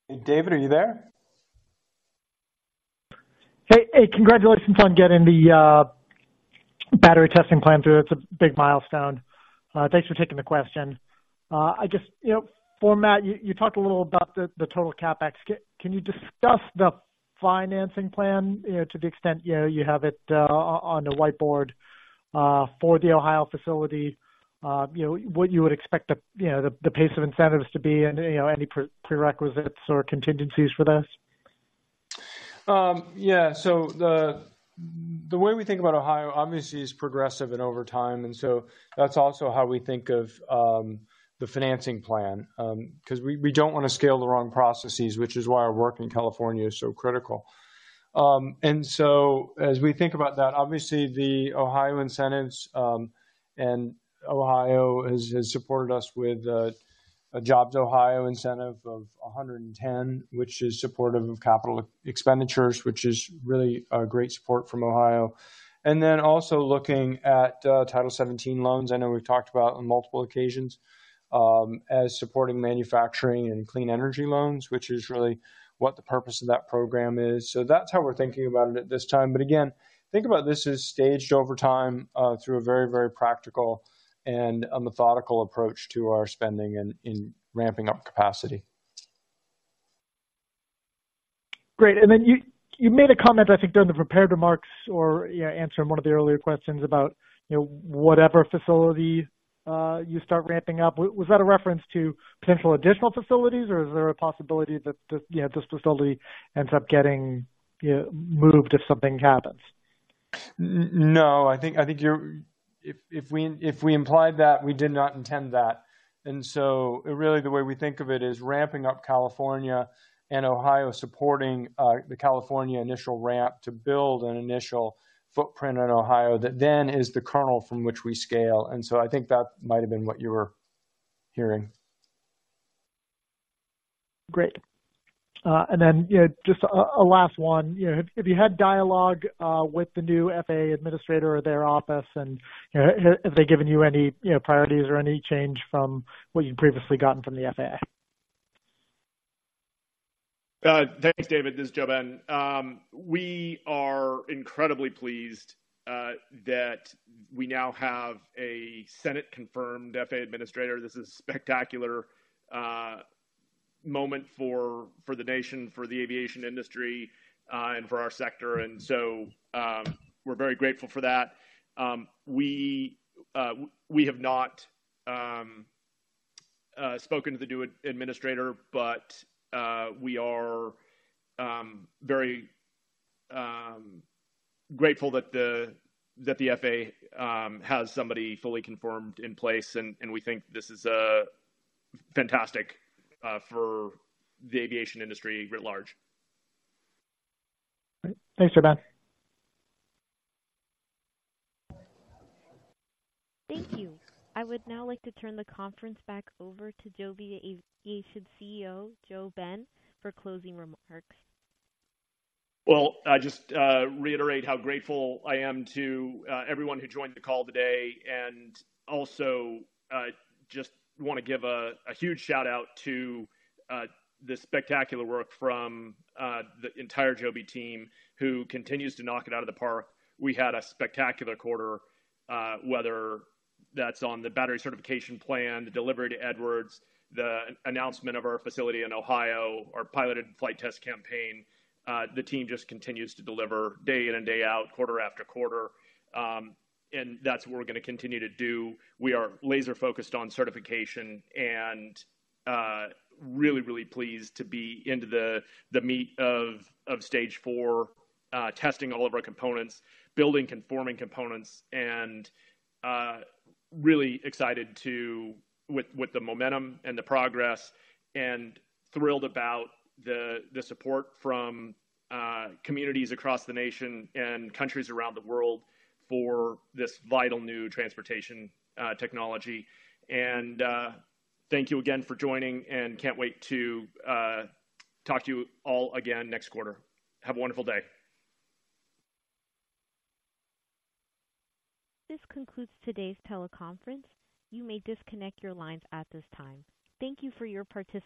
Speaker 4: Hey, David, are you there?
Speaker 13: Hey, hey, congratulations on getting the battery testing plan through. It's a big milestone. Thanks for taking the question. I just, you know, for Matt, you talked a little about the total CapEx. Can you discuss the financing plan, you know, to the extent, you know, you have it on the whiteboard for the Ohio facility? You know, what you would expect the pace of incentives to be and any prerequisites or contingencies for this?
Speaker 5: Yeah. So the way we think about Ohio, obviously, is progressive and over time, and so that's also how we think of the financing plan. Because we don't want to scale the wrong processes, which is why our work in California is so critical. And so as we think about that, obviously the Ohio incentives, and Ohio has supported us with a JobsOhio incentive of $110, which is supportive of capital expenditures, which is really a great support from Ohio. And then also looking at Title 17 loans. I know we've talked about on multiple occasions as supporting manufacturing and clean energy loans, which is really what the purpose of that program is. So that's how we're thinking about it at this time. But again, think about this as staged over time through a very, very practical and a methodical approach to our spending and in ramping up capacity.
Speaker 13: Great. And then you made a comment, I think, during the prepared remarks or, yeah, answering one of the earlier questions about, you know, whatever facility you start ramping up. Was that a reference to potential additional facilities, or is there a possibility that the, you know, this facility ends up getting, you know, moved if something happens?
Speaker 5: No, I think, if we implied that, we did not intend that. And so really the way we think of it is ramping up California and Ohio supporting the California initial ramp to build an initial footprint in Ohio, that then is the kernel from which we scale, and so I think that might have been what you were hearing.
Speaker 13: Great. And then, you know, just a last one. You know, have you had dialogue with the new FAA administrator or their office, and, you know, have they given you any, you know, priorities or any change from what you've previously gotten from the FAA?
Speaker 3: Thanks, David. This is JoeBen. We are incredibly pleased that we now have a Senate-confirmed FAA administrator. This is a spectacular moment for the nation, for the aviation industry, and for our sector. And so, we're very grateful for that. We have not spoken to the new administrator, but we are very grateful that the FAA has somebody fully confirmed in place, and we think this is fantastic for the aviation industry writ large.
Speaker 13: Thanks, JoeBen.
Speaker 1: Thank you. I would now like to turn the conference back over to Joby Aviation CEO, Joe Ben, for closing remarks.
Speaker 3: Well, I just reiterate how grateful I am to everyone who joined the call today, and also just want to give a huge shout-out to the spectacular work from the entire Joby team, who continues to knock it out of the park. We had a spectacular quarter, whether that's on the battery certification plan, the delivery to Edwards, the announcement of our facility in Ohio, our piloted flight test campaign. The team just continues to deliver day in and day out, quarter after quarter. And that's what we're going to continue to do. We are laser-focused on certification and really, really pleased to be into the meat of Stage 4, testing all of our components, building conforming components, and really excited to with the momentum and the progress, and thrilled about the support from communities across the nation and countries around the world for this vital new transportation technology. And thank you again for joining, and can't wait to talk to you all again next quarter. Have a wonderful day.
Speaker 1: This concludes today's teleconference. You may disconnect your lines at this time. Thank you for your participation.